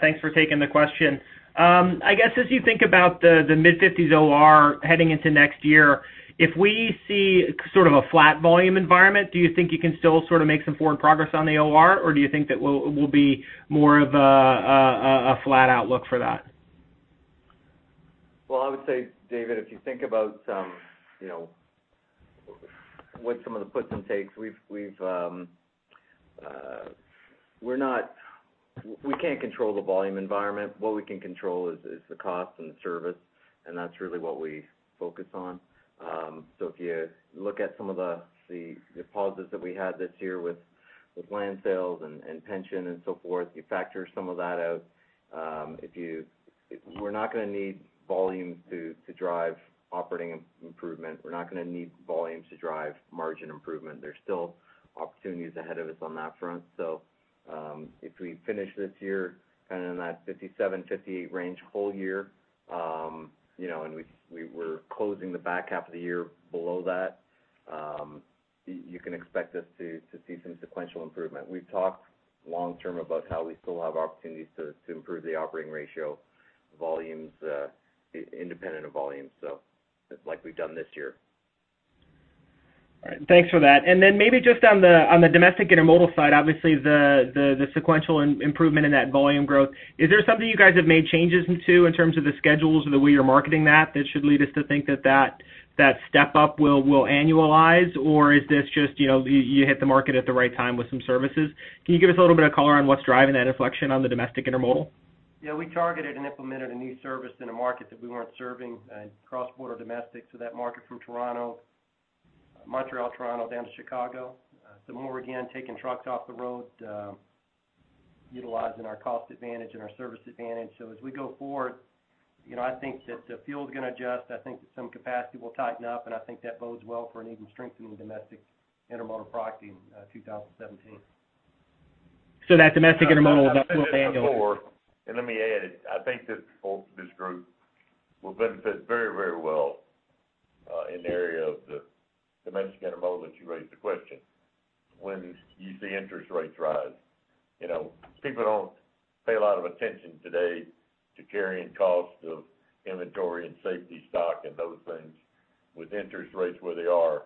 Thanks for taking the question. I guess as you think about the mid-50s OR heading into next year, if we see sort of a flat volume environment, do you think you can still sort of make some forward progress on the OR, or do you think that it will be more of a flat outlook for that? Well, I would say, David, if you think about what some of the puts and takes we can't control the volume environment. What we can control is the cost and the service. And that's really what we focus on. So if you look at some of the pauses that we had this year with land sales and pension and so forth, you factor some of that out. We're not going to need volumes to drive operating improvement. We're not going to need volumes to drive margin improvement. There's still opportunities ahead of us on that front. So if we finish this year kind of in that 57-58 range whole year, and we're closing the back half of the year below that, you can expect us to see some sequential improvement. We've talked long-term about how we still have opportunities to improve the operating ratio independent of volumes, so like we've done this year. All right. Thanks for that. Then maybe just on the domestic intermodal side, obviously, the sequential improvement in that volume growth, is there something you guys have made changes to in terms of the schedules or the way you're marketing that that should lead us to think that that step up will annualize? Or is this just you hit the market at the right time with some services? Can you give us a little bit of color on what's driving that inflection on the domestic intermodal? Yeah. We targeted and implemented a new service in a market that we weren't serving, Cross-Border Domestic, so that market from Montreal, Toronto down to Chicago. So more, again, taking trucks off the road, utilizing our cost advantage and our service advantage. So as we go forward, I think that the fuel's going to adjust. I think that some capacity will tighten up. And I think that bodes well for an even strengthening domestic intermodal product in 2017. That domestic intermodal will annualize. Let me add it. I think that this group will benefit very, very well in the area of the domestic intermodal that you raised the question when you see interest rates rise. People don't pay a lot of attention today to carrying costs of inventory and safety stock and those things with interest rates where they are.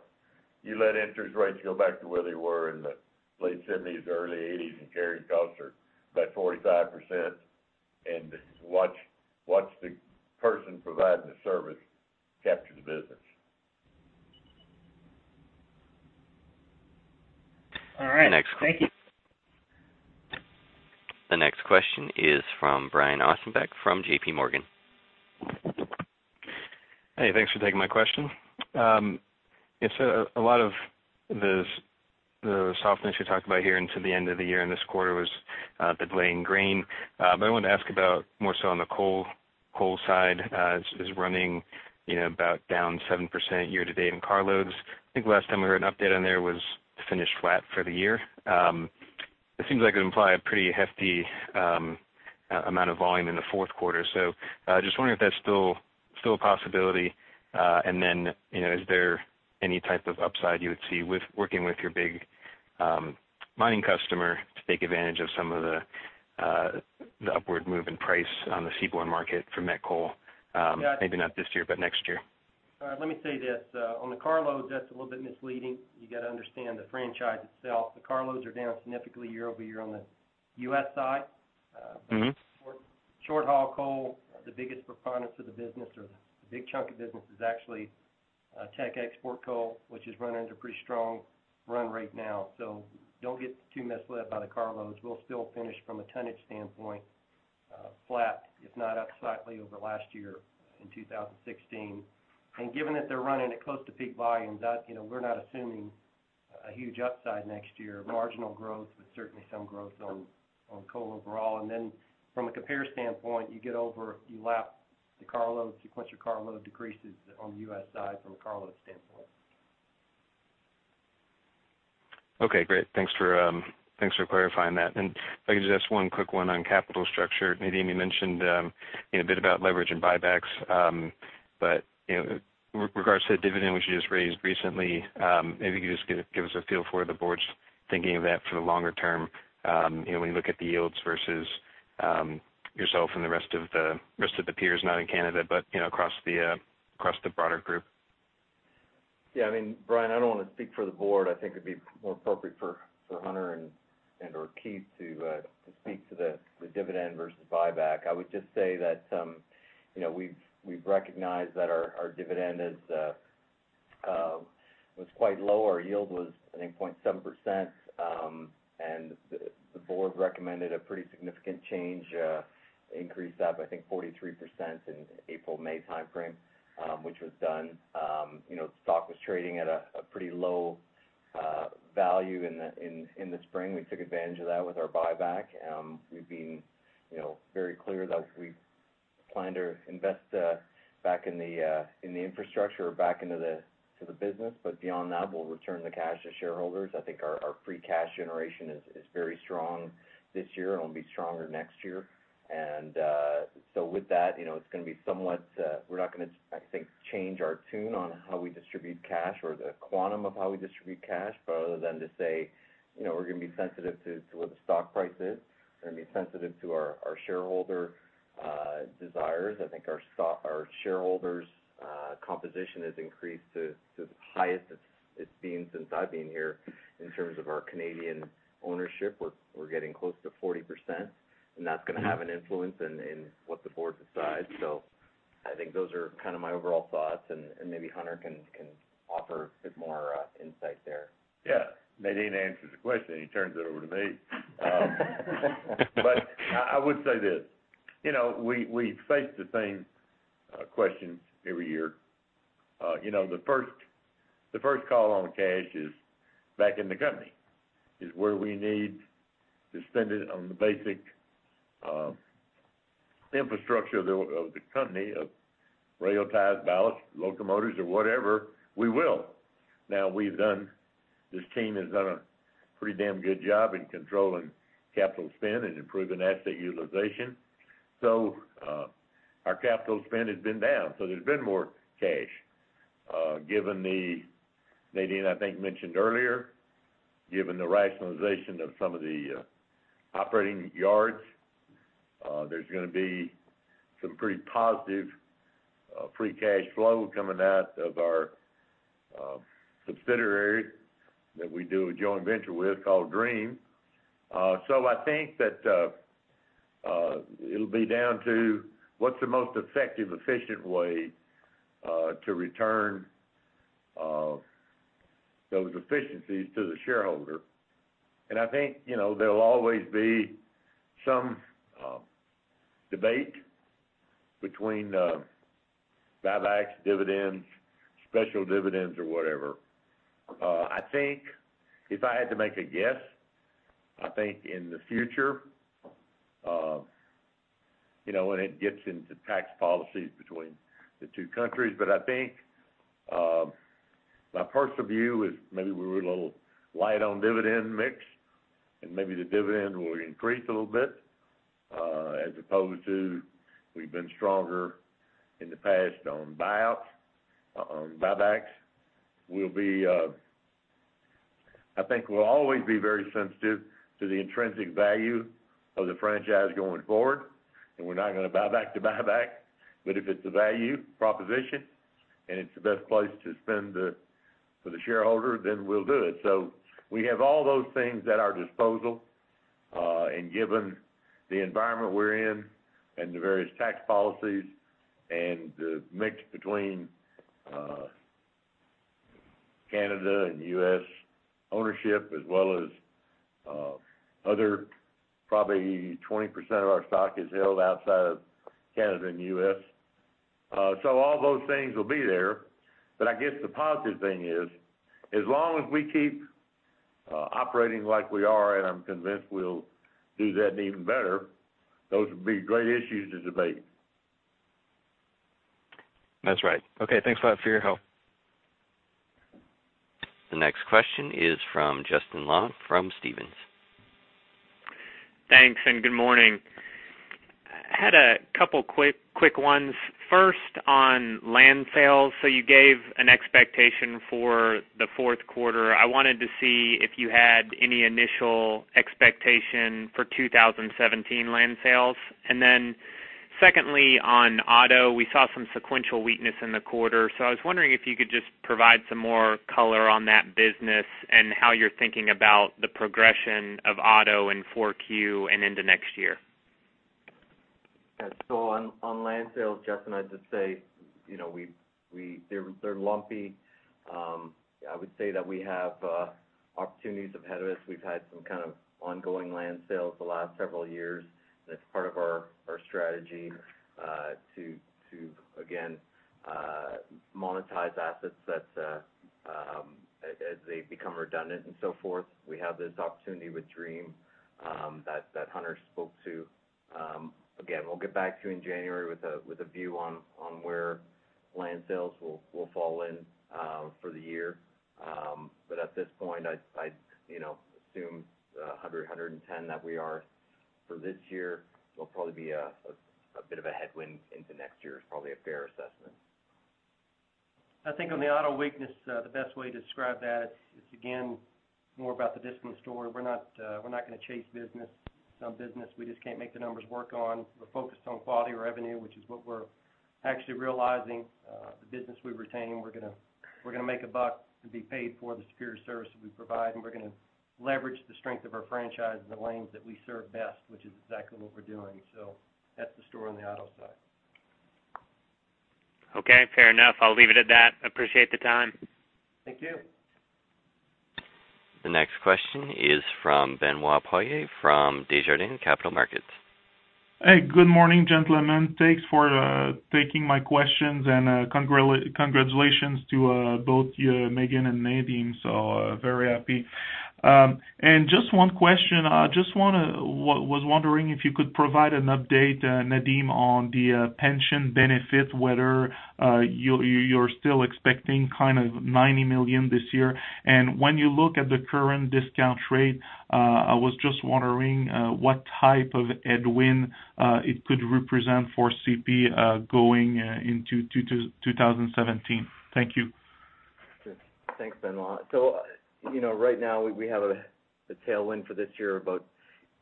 You let interest rates go back to where they were in the late 1970s, early 1980s, and carrying costs are about 45%. Watch the person providing the service capture the business. All right. The next question. Thank you. The next question is from Brian Ossenbeck from JPMorgan. Hey. Thanks for taking my question. Yeah. So a lot of the softness you talked about here until the end of the year in this quarter was the delay in grain. But I wanted to ask about more so on the coal side is running about down 7% year-to-date in car loads. I think the last time we heard an update on there was finished flat for the year. It seems like it would imply a pretty hefty amount of volume in the fourth quarter. So just wondering if that's still a possibility. And then is there any type of upside you would see working with your big mining customer to take advantage of some of the upward move in price on the seaborne market for met coal, maybe not this year but next year? All right. Let me say this. On the car loads, that's a little bit misleading. You got to understand the franchise itself. The car loads are down significantly year-over-year on the U.S. side. Shorthaul coal, the biggest proponent for the business or the big chunk of business is actually Teck export coal, which is running at a pretty strong run rate now. So don't get too misled by the car loads. We'll still finish, from a tonnage standpoint, flat, if not upsidely over last year in 2016. And given that they're running at close to peak volumes, we're not assuming a huge upside next year. Marginal growth with certainly some growth on coal overall. And then from a compare standpoint, you lap the car load sequential car load decreases on the U.S. side from a car load standpoint. Okay. Great. Thanks for clarifying that. If I could just ask one quick one on capital structure. Nadeem, you mentioned a bit about leverage and buybacks. In regards to the dividend which you just raised recently, maybe you could just give us a feel for the board's thinking of that for the longer term when you look at the yields versus yourself and the rest of the peers, not in Canada but across the broader group. Yeah. I mean, Brian, I don't want to speak for the board. I think it'd be more appropriate for Hunter and/or Keith to speak to the dividend versus buyback. I would just say that we've recognized that our dividend was quite low. Our yield was, I think, 0.7%. And the board recommended a pretty significant change, increased that by, I think, 43% in April, May timeframe, which was done. Stock was trading at a pretty low value in the spring. We took advantage of that with our buyback. We've been very clear that we plan to invest back in the infrastructure or back into the business. But beyond that, we'll return the cash to shareholders. I think our free cash generation is very strong this year and will be stronger next year. And so with that, it's going to be somewhat we're not going to, I think, change our tune on how we distribute cash or the quantum of how we distribute cash. But other than to say we're going to be sensitive to what the stock price is, we're going to be sensitive to our shareholder desires. I think our shareholders' composition has increased to the highest it's been since I've been here in terms of our Canadian ownership. We're getting close to 40%. And that's going to have an influence in what the board decides. So I think those are kind of my overall thoughts. And maybe Hunter can offer a bit more insight there. Yeah. Nadeem answers the question, and he turns it over to me. But I would say this. We face the same questions every year. The first call on cash is back in the company. Is where we need to spend it on the basic infrastructure of the company, of rail, ties, ballast, locomotives, or whatever, we will. Now, this team has done a pretty damn good job in controlling capital spend and improving asset utilization. So our capital spend has been down. So there's been more cash. Nadeem, I think, mentioned earlier, given the rationalization of some of the operating yards, there's going to be some pretty positive free cash flow coming out of our subsidiary that we do a joint venture with called Dream. So I think that it'll be down to what's the most effective, efficient way to return those efficiencies to the shareholder. I think there'll always be some debate between buybacks, dividends, special dividends, or whatever. I think if I had to make a guess, I think in the future, when it gets into tax policies between the two countries, but I think my personal view is maybe we're a little light on dividend mix. And maybe the dividend will increase a little bit as opposed to we've been stronger in the past on buybacks. I think we'll always be very sensitive to the intrinsic value of the franchise going forward. And we're not going to buyback to buyback. But if it's a value proposition and it's the best place to spend for the shareholder, then we'll do it. So we have all those things at our disposal. Given the environment we're in and the various tax policies and the mix between Canada and U.S. ownership as well as other probably 20% of our stock is held outside of Canada and U.S., so all those things will be there. I guess the positive thing is as long as we keep operating like we are - and I'm convinced we'll do that even better - those would be great issues to debate. That's right. Okay. Thanks a lot for your help. The next question is from Justin Long from Stephens. Thanks. Good morning. I had a couple quick ones. First, on land sales. You gave an expectation for the fourth quarter. I wanted to see if you had any initial expectation for 2017 land sales. Then secondly, on auto, we saw some sequential weakness in the quarter. I was wondering if you could just provide some more color on that business and how you're thinking about the progression of auto in 4Q and into next year. Yeah. So on land sales, Justin, I'd just say they're lumpy. I would say that we have opportunities ahead of us. We've had some kind of ongoing land sales the last several years. And it's part of our strategy to, again, monetize assets as they become redundant and so forth. We have this opportunity with Dream that Hunter spoke to. Again, we'll get back to you in January with a view on where land sales will fall in for the year. But at this point, I'd assume 100-110 that we are for this year. It'll probably be a bit of a headwind into next year, is probably a fair assessment. I think on the auto weakness, the best way to describe that, it's, again, more about the distant story. We're not going to chase business. It's not business we just can't make the numbers work on. We're focused on quality revenue, which is what we're actually realizing. The business we retain, we're going to make a buck and be paid for the superior service that we provide. And we're going to leverage the strength of our franchise in the lanes that we serve best, which is exactly what we're doing. So that's the story on the auto side. Okay. Fair enough. I'll leave it at that. Appreciate the time. Thank you. The next question is from Benoit Poirier from Desjardins Capital Markets. Hey. Good morning, gentlemen. Thanks for taking my questions. And congratulations to both Maeghan and Nadeem. So very happy. And just one question. I was wondering if you could provide an update, Nadeem, on the pension benefit, whether you're still expecting kind of 90 million this year. And when you look at the current discount rate, I was just wondering what type of headwind it could represent for CP going into 2017. Thank you. Sure. Thanks, Benoit. So right now, we have a tailwind for this year, about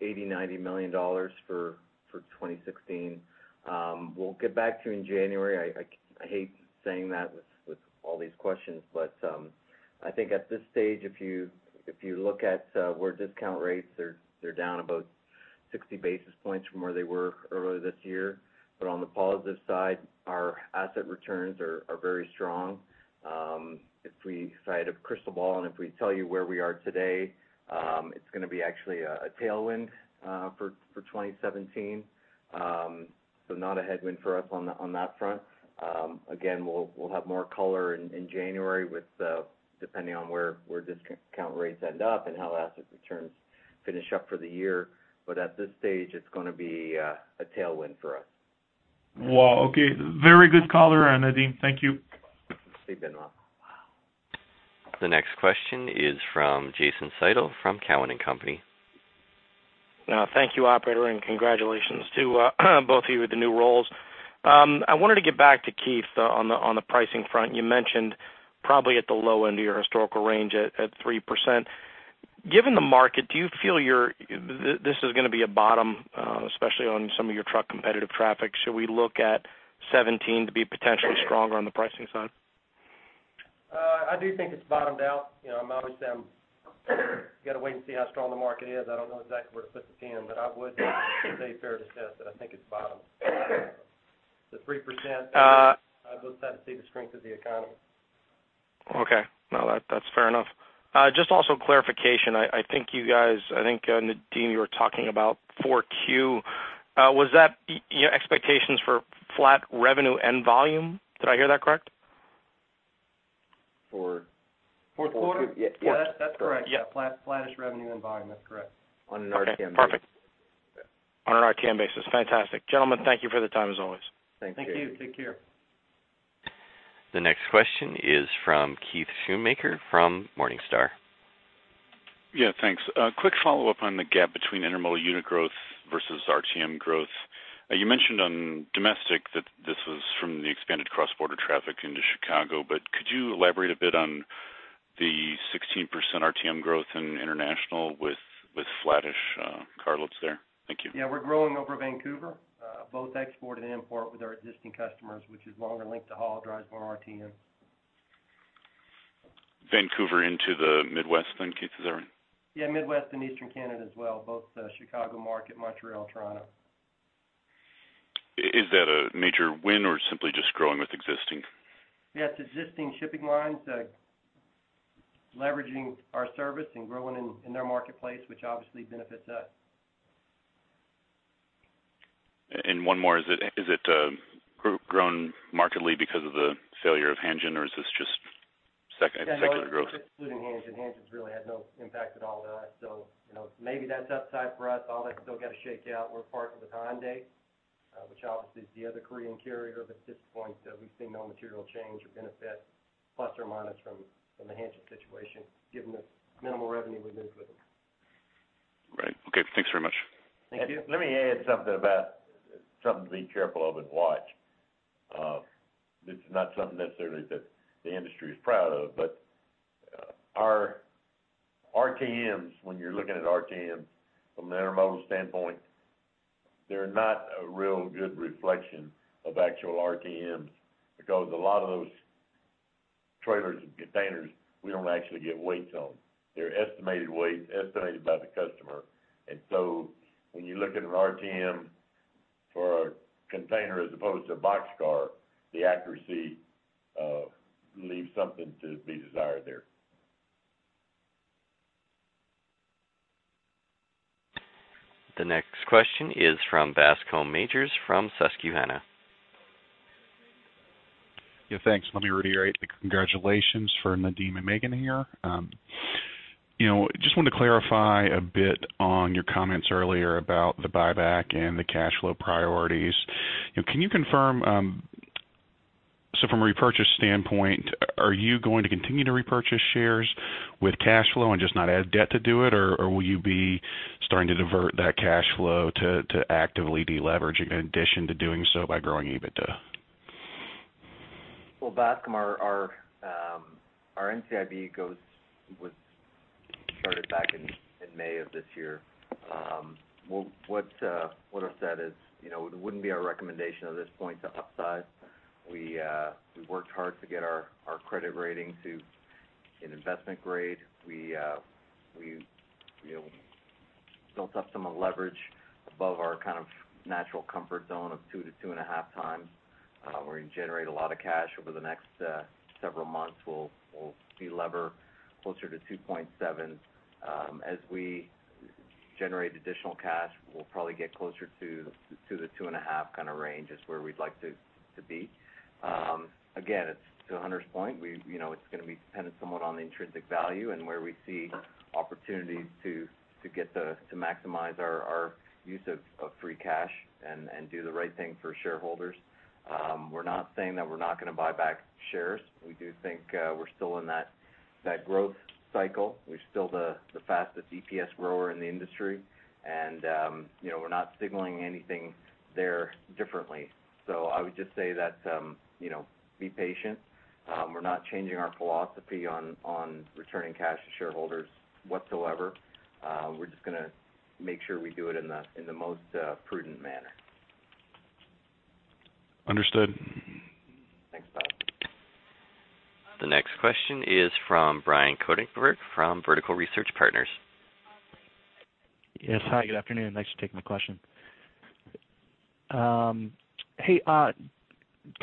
80-90 million dollars for 2016. We'll get back to you in January. I hate saying that with all these questions. But I think at this stage, if you look at where discount rates are, they're down about 60 basis points from where they were earlier this year. But on the positive side, our asset returns are very strong. If I had a crystal ball and if we tell you where we are today, it's going to be actually a tailwind for 2017. So not a headwind for us on that front. Again, we'll have more color in January depending on where discount rates end up and how asset returns finish up for the year. But at this stage, it's going to be a tailwind for us. Wow. Okay. Very good caller, Nadeem. Thank you. Thanks. See you, Benoit. The next question is from Jason Seidl from Cowen & Company. Thank you, operator. Congratulations to both of you with the new roles. I wanted to get back to Keith on the pricing front. You mentioned probably at the low end of your historical range at 3%. Given the market, do you feel this is going to be a bottom, especially on some of your truck competitive traffic? Should we look at 2017 to be potentially stronger on the pricing side? I do think it's bottomed out. Obviously, I've got to wait and see how strong the market is. I don't know exactly where to put the pen. But I would say fair to say that I think it's bottomed. The 3%, I'd look at it to see the strength of the economy. Okay. No. That's fair enough. Just also clarification, I think you guys, I think, Nadeem, you were talking about 4Q. Was that expectations for flat revenue and volume? Did I hear that correct? Four. Fourth quarter? Yeah. That's correct. Yeah. Flattish revenue and volume. That's correct. On an RTM basis. Perfect. On an RTM basis. Fantastic. Gentlemen, thank you for the time as always. Thank you. Thank you. Take care. The next question is from Keith Schoonmaker from Morningstar. Yeah. Thanks. Quick follow-up on the gap between intermodal unit growth versus RTM growth. You mentioned on domestic that this was from the expanded cross-border traffic into Chicago. But could you elaborate a bit on the 16% RTM growth in international with flattish car loads there? Thank you. Yeah. We're growing over Vancouver, both export and import with our existing customers, which is longer length of haul, drives more RTM. Vancouver into the Midwest then, Keith. Is that right? Yeah. Midwest and Eastern Canada as well, both Chicago market, Montreal, Toronto. Is that a major win or simply just growing with existing? Yeah. It's existing shipping lines leveraging our service and growing in their marketplace, which obviously benefits us. One more. Is it grown markedly because of the failure of Hanjin, or is this just secular growth? Yeah. Including Hanjin. Hanjin's really had no impact at all to us. So maybe that's upside for us. All that's still got to shake out. We're partnered with Hyundai, which obviously is the other Korean carrier. But at this point, we've seen no material change or benefit, plus or minus, from the Hanjin situation given the minimal revenue we move with them. Right. Okay. Thanks very much. Thank you. Let me add something about something to be careful of and watch. This is not something necessarily that the industry is proud of. But when you're looking at RTMs from an intermodal standpoint, they're not a real good reflection of actual RTMs because a lot of those trailers and containers, we don't actually get weights on. They're estimated weights, estimated by the customer. And so when you look at an RTM for a container as opposed to a boxcar, the accuracy leaves something to be desired there. The next question is from Bascome Majors from Susquehanna. Yeah. Thanks. Let me reiterate the congratulations for Nadeem and Maeghan here. Just wanted to clarify a bit on your comments earlier about the buyback and the cash flow priorities. Can you confirm so from a repurchase standpoint, are you going to continue to repurchase shares with cash flow and just not add debt to do it? Or will you be starting to divert that cash flow to actively deleverage in addition to doing so by growing EBITDA? Well, Bascome our NCIB started back in May of this year. What I've said is it wouldn't be our recommendation at this point to upsize. We worked hard to get our credit rating to an investment grade. We built up some leverage above our kind of natural comfort zone of 2x-2.5x. We're going to generate a lot of cash over the next several months. We'll delever closer to 2.7. As we generate additional cash, we'll probably get closer to the 2.5 kind of range is where we'd like to be. Again, to Hunter's point, it's going to be dependent somewhat on the intrinsic value and where we see opportunities to get to maximize our use of free cash and do the right thing for shareholders. We're not saying that we're not going to buy back shares. We do think we're still in that growth cycle. We're still the fastest EPS grower in the industry. We're not signaling anything there differently. I would just say that be patient. We're not changing our philosophy on returning cash to shareholders whatsoever. We're just going to make sure we do it in the most prudent manner. Understood. Thanks, Bascome. The next question is from Brian Konigsberg from Vertical Research Partners. Yes. Hi. Good afternoon. Thanks for taking my question. Hey.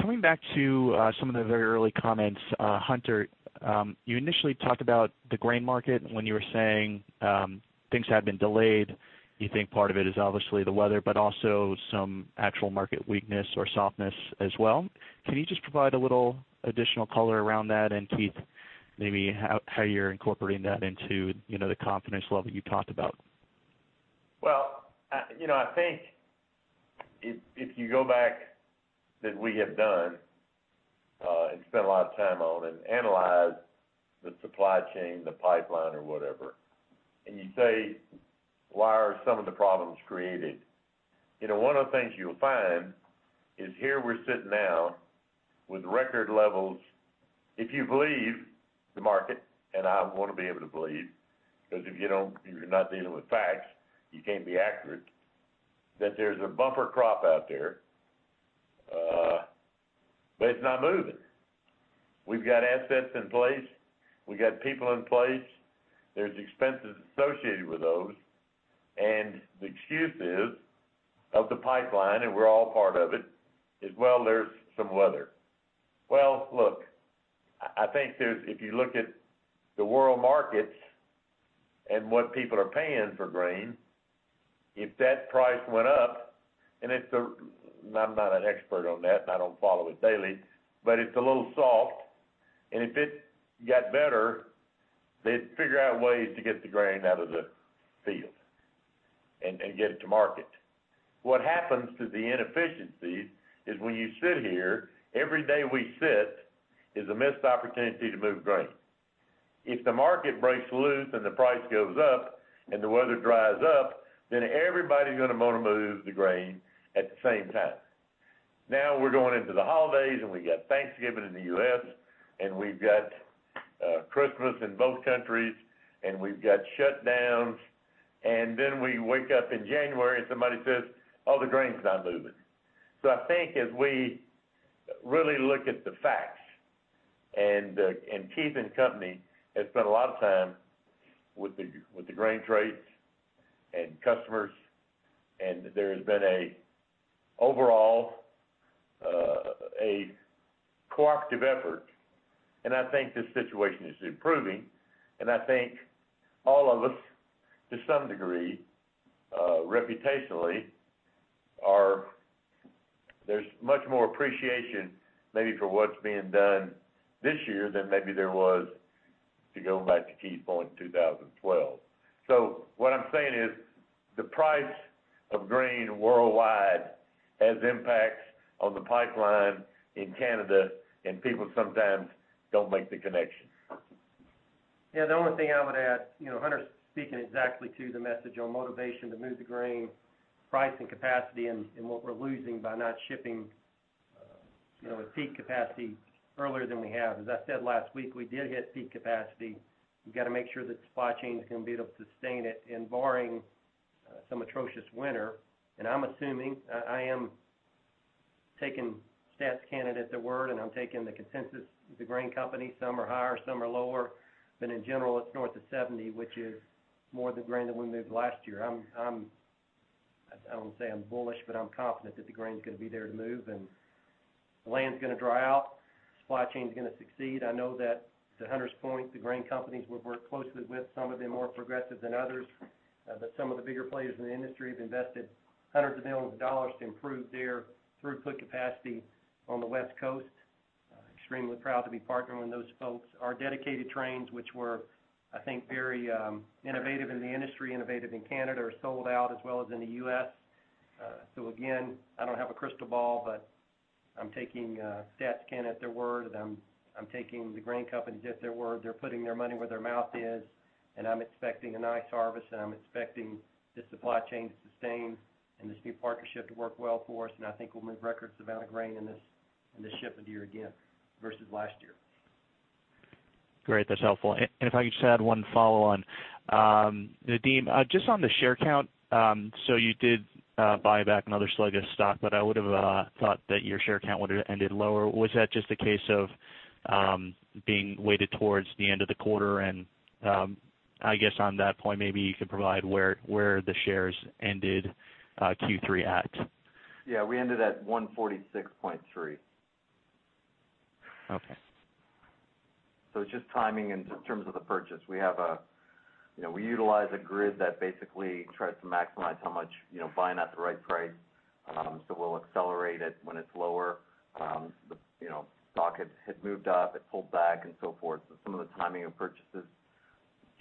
Coming back to some of the very early comments, Hunter, you initially talked about the grain market when you were saying things had been delayed. You think part of it is obviously the weather but also some actual market weakness or softness as well. Can you just provide a little additional color around that and, Keith, maybe how you're incorporating that into the confidence level you talked about? Well, I think if you go back that we have done and spent a lot of time on and analyze the supply chain, the pipeline, or whatever, and you say, "Why are some of the problems created?" one of the things you'll find is here we're sitting now with record levels. If you believe the market - and I want to be able to believe because if you're not dealing with facts, you can't be accurate - that there's a buffer crop out there, but it's not moving. We've got assets in place. We've got people in place. There's expenses associated with those. And the excuse of the pipeline - and we're all part of it - is, "Well, there's some weather." Well, look. I think if you look at the world markets and what people are paying for grain, if that price went up and it's a, and I'm not an expert on that. I don't follow it daily. But it's a little soft. If it got better, they'd figure out ways to get the grain out of the field and get it to market. What happens to the inefficiencies is when you sit here, every day we sit is a missed opportunity to move grain. If the market breaks loose and the price goes up and the weather dries up, then everybody's going to want to move the grain at the same time. Now, we're going into the holidays. We've got Thanksgiving in the U.S. We've got Christmas in both countries. We've got shutdowns. Then we wake up in January, and somebody says, "Oh, the grain's not moving." I think as we really look at the facts and Keith and company have spent a lot of time with the grain trades and customers. There has been overall a cooperative effort. I think this situation is improving. I think all of us, to some degree, reputationally, there's much more appreciation maybe for what's being done this year than maybe there was, to go back to Keith's point in 2012. What I'm saying is the price of grain worldwide has impacts on the pipeline in Canada. People sometimes don't make the connection. Yeah. The only thing I would add, Hunter's speaking exactly to the message on motivation to move the grain, price and capacity, and what we're losing by not shipping at peak capacity earlier than we have. As I said last week, we did hit peak capacity. We've got to make sure that supply chain's going to be able to sustain it, and barring some atrocious winter. And I'm assuming I am taking Statistics Canada at their word. And I'm taking the consensus of the grain companies. Some are higher. Some are lower. But in general, it's north of 70, which is more of the grain that we moved last year. I don't want to say I'm bullish, but I'm confident that the grain's going to be there to move. And the land's going to dry out. Supply chain's going to succeed. I know that to Hunter's point, the grain companies we've worked closely with, some have been more progressive than others. But some of the bigger players in the industry have invested hundreds of millions of dollars to improve their throughput capacity on the West Coast. Extremely proud to be partnering with those folks. Our dedicated trains, which were, I think, very innovative in the industry, innovative in Canada, are sold out as well as in the U.S. So again, I don't have a crystal ball. But I'm taking Stats Canada at their word. And I'm taking the grain companies at their word. They're putting their money where their mouth is. And I'm expecting a nice harvest. And I'm expecting this supply chain to sustain and this new partnership to work well for us. And I think we'll move record amounts of grain in this shipment year again versus last year. Great. That's helpful. If I could just add one follow-on. Nadeem, just on the share count, so you did buy back another slug of stock. But I would have thought that your share count would have ended lower. Was that just a case of being weighted towards the end of the quarter? I guess on that point, maybe you could provide where the shares ended Q3 at. Yeah. We ended at 146.3. So it's just timing in terms of the purchase. We utilize a grid that basically tries to maximize how much buying at the right price. So we'll accelerate it when it's lower. The stock had moved up. It pulled back and so forth. So some of the timing of purchases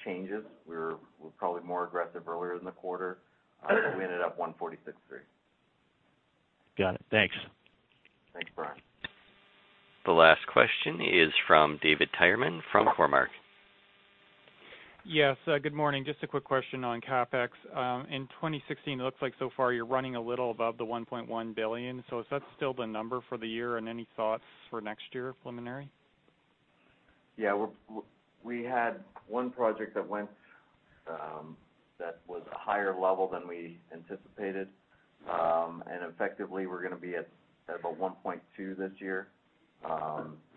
changes. We were probably more aggressive earlier in the quarter. We ended up 146.3. Got it. Thanks. Thanks, Brian. The last question is from David Tyerman from Cormark. Yes. Good morning. Just a quick question on CapEx. In 2016, it looks like so far you're running a little above the 1.1 billion. So is that still the number for the year? And any thoughts for next year, preliminary? Yeah. We had one project that was a higher level than we anticipated. Effectively, we're going to be at about 1.2 this year. There's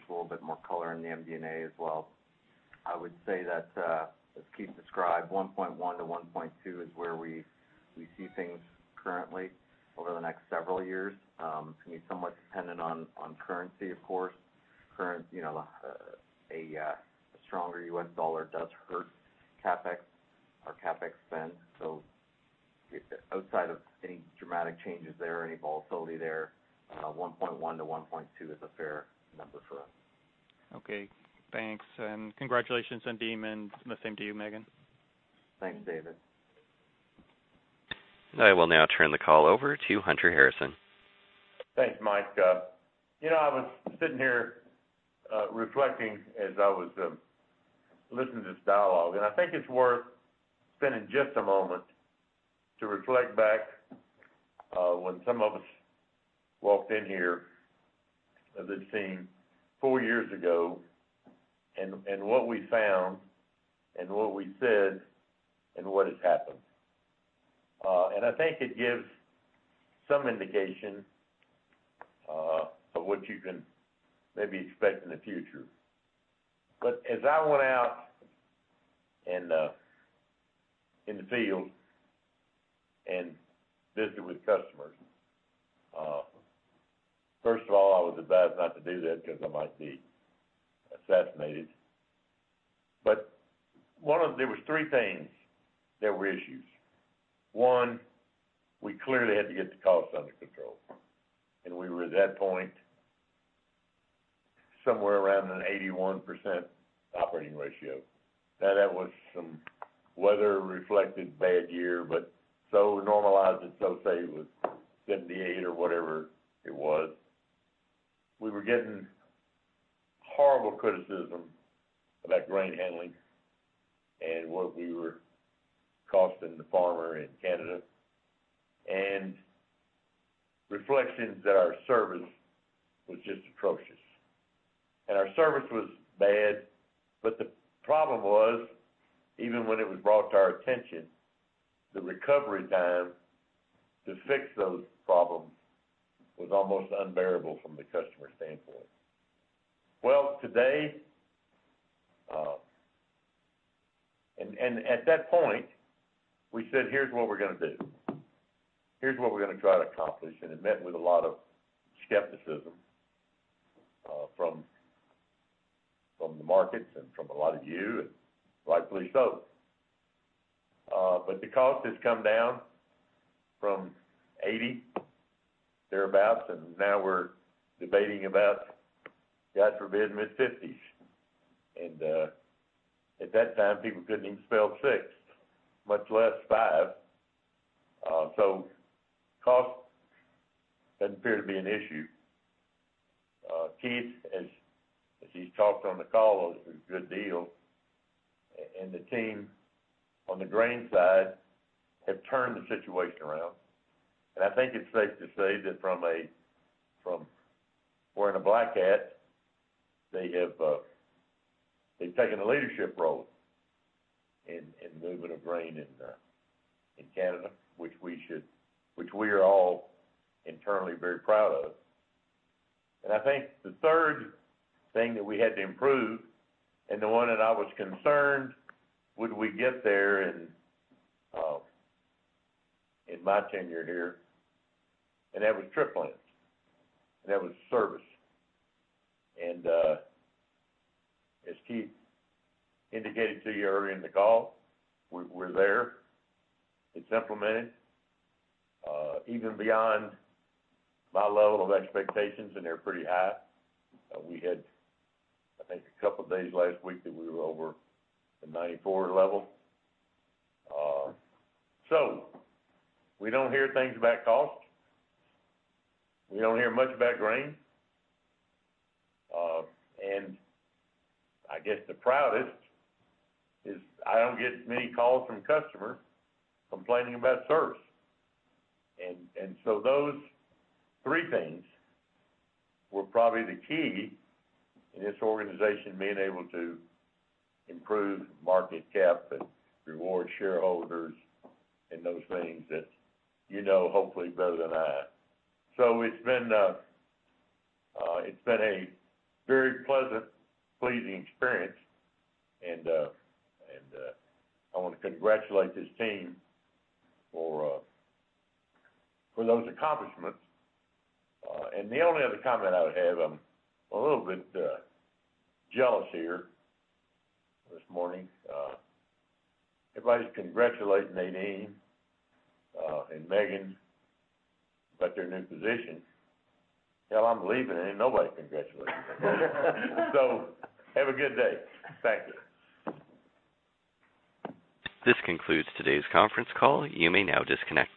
a little bit more color in the MD&A as well. I would say that, as Keith described, 1.1-1.2 is where we see things currently over the next several years. It's going to be somewhat dependent on currency, of course. A stronger U.S. dollar does hurt our CapEx spend. Outside of any dramatic changes there, any volatility there, 1.1-1.2 is a fair number for us. Okay. Thanks. And congratulations, Nadeem. And the same to you, Maeghan. Thanks, David. I will now turn the call over to Hunter Harrison. Thanks, Mike, Scott. I was sitting here reflecting as I was listening to this dialogue. And I think it's worth spending just a moment to reflect back when some of us walked in here as it seemed four years ago and what we found and what we said and what has happened. And I think it gives some indication of what you can maybe expect in the future. But as I went out in the field and visited with customers, first of all, I was advised not to do that because I might be assassinated. But there were three things that were issues. One, we clearly had to get the cost under control. And we were at that point somewhere around an 81% operating ratio. Now, that was some weather-reflected bad year. But so normalized it, so say it was 78 or whatever it was, we were getting horrible criticism about grain handling and what we were costing the farmer in Canada and reflections that our service was just atrocious. And our service was bad. But the problem was, even when it was brought to our attention, the recovery time to fix those problems was almost unbearable from the customer standpoint. Well, today and at that point, we said, "Here's what we're going to do. Here's what we're going to try to accomplish." And it met with a lot of skepticism from the markets and from a lot of you. And rightfully so. But the cost has come down from 80 thereabouts. And now, we're debating about, God forbid, mid-50s. And at that time, people couldn't even spell 6, much less 5. So cost doesn't appear to be an issue. Keith, as he's talked on the call, it was a good deal. And the team on the grain side have turned the situation around. And I think it's safe to say that from wearing a black hat, they've taken a leadership role in moving of grain in Canada, which we are all internally very proud of. And I think the third thing that we had to improve and the one that I was concerned, would we get there in my tenure here? And that was trip length. And that was service. And as Keith indicated to you earlier in the call, we're there. It's implemented even beyond my level of expectations. And they're pretty high. We had, I think, a couple of days last week that we were over the 94 level. So we don't hear things about cost. We don't hear much about grain. I guess the proudest is I don't get many calls from customers complaining about service. So those three things were probably the key in this organization being able to improve market cap and reward shareholders and those things that you know, hopefully, better than I. It's been a very pleasant, pleasing experience. I want to congratulate this team for those accomplishments. The only other comment I would have, I'm a little bit jealous here this morning. Everybody's congratulating Nadeem and Maeghan about their new position. Hell, I'm leaving. Nobody congratulated them. So have a good day. Thank you. This concludes today's conference call. You may now disconnect.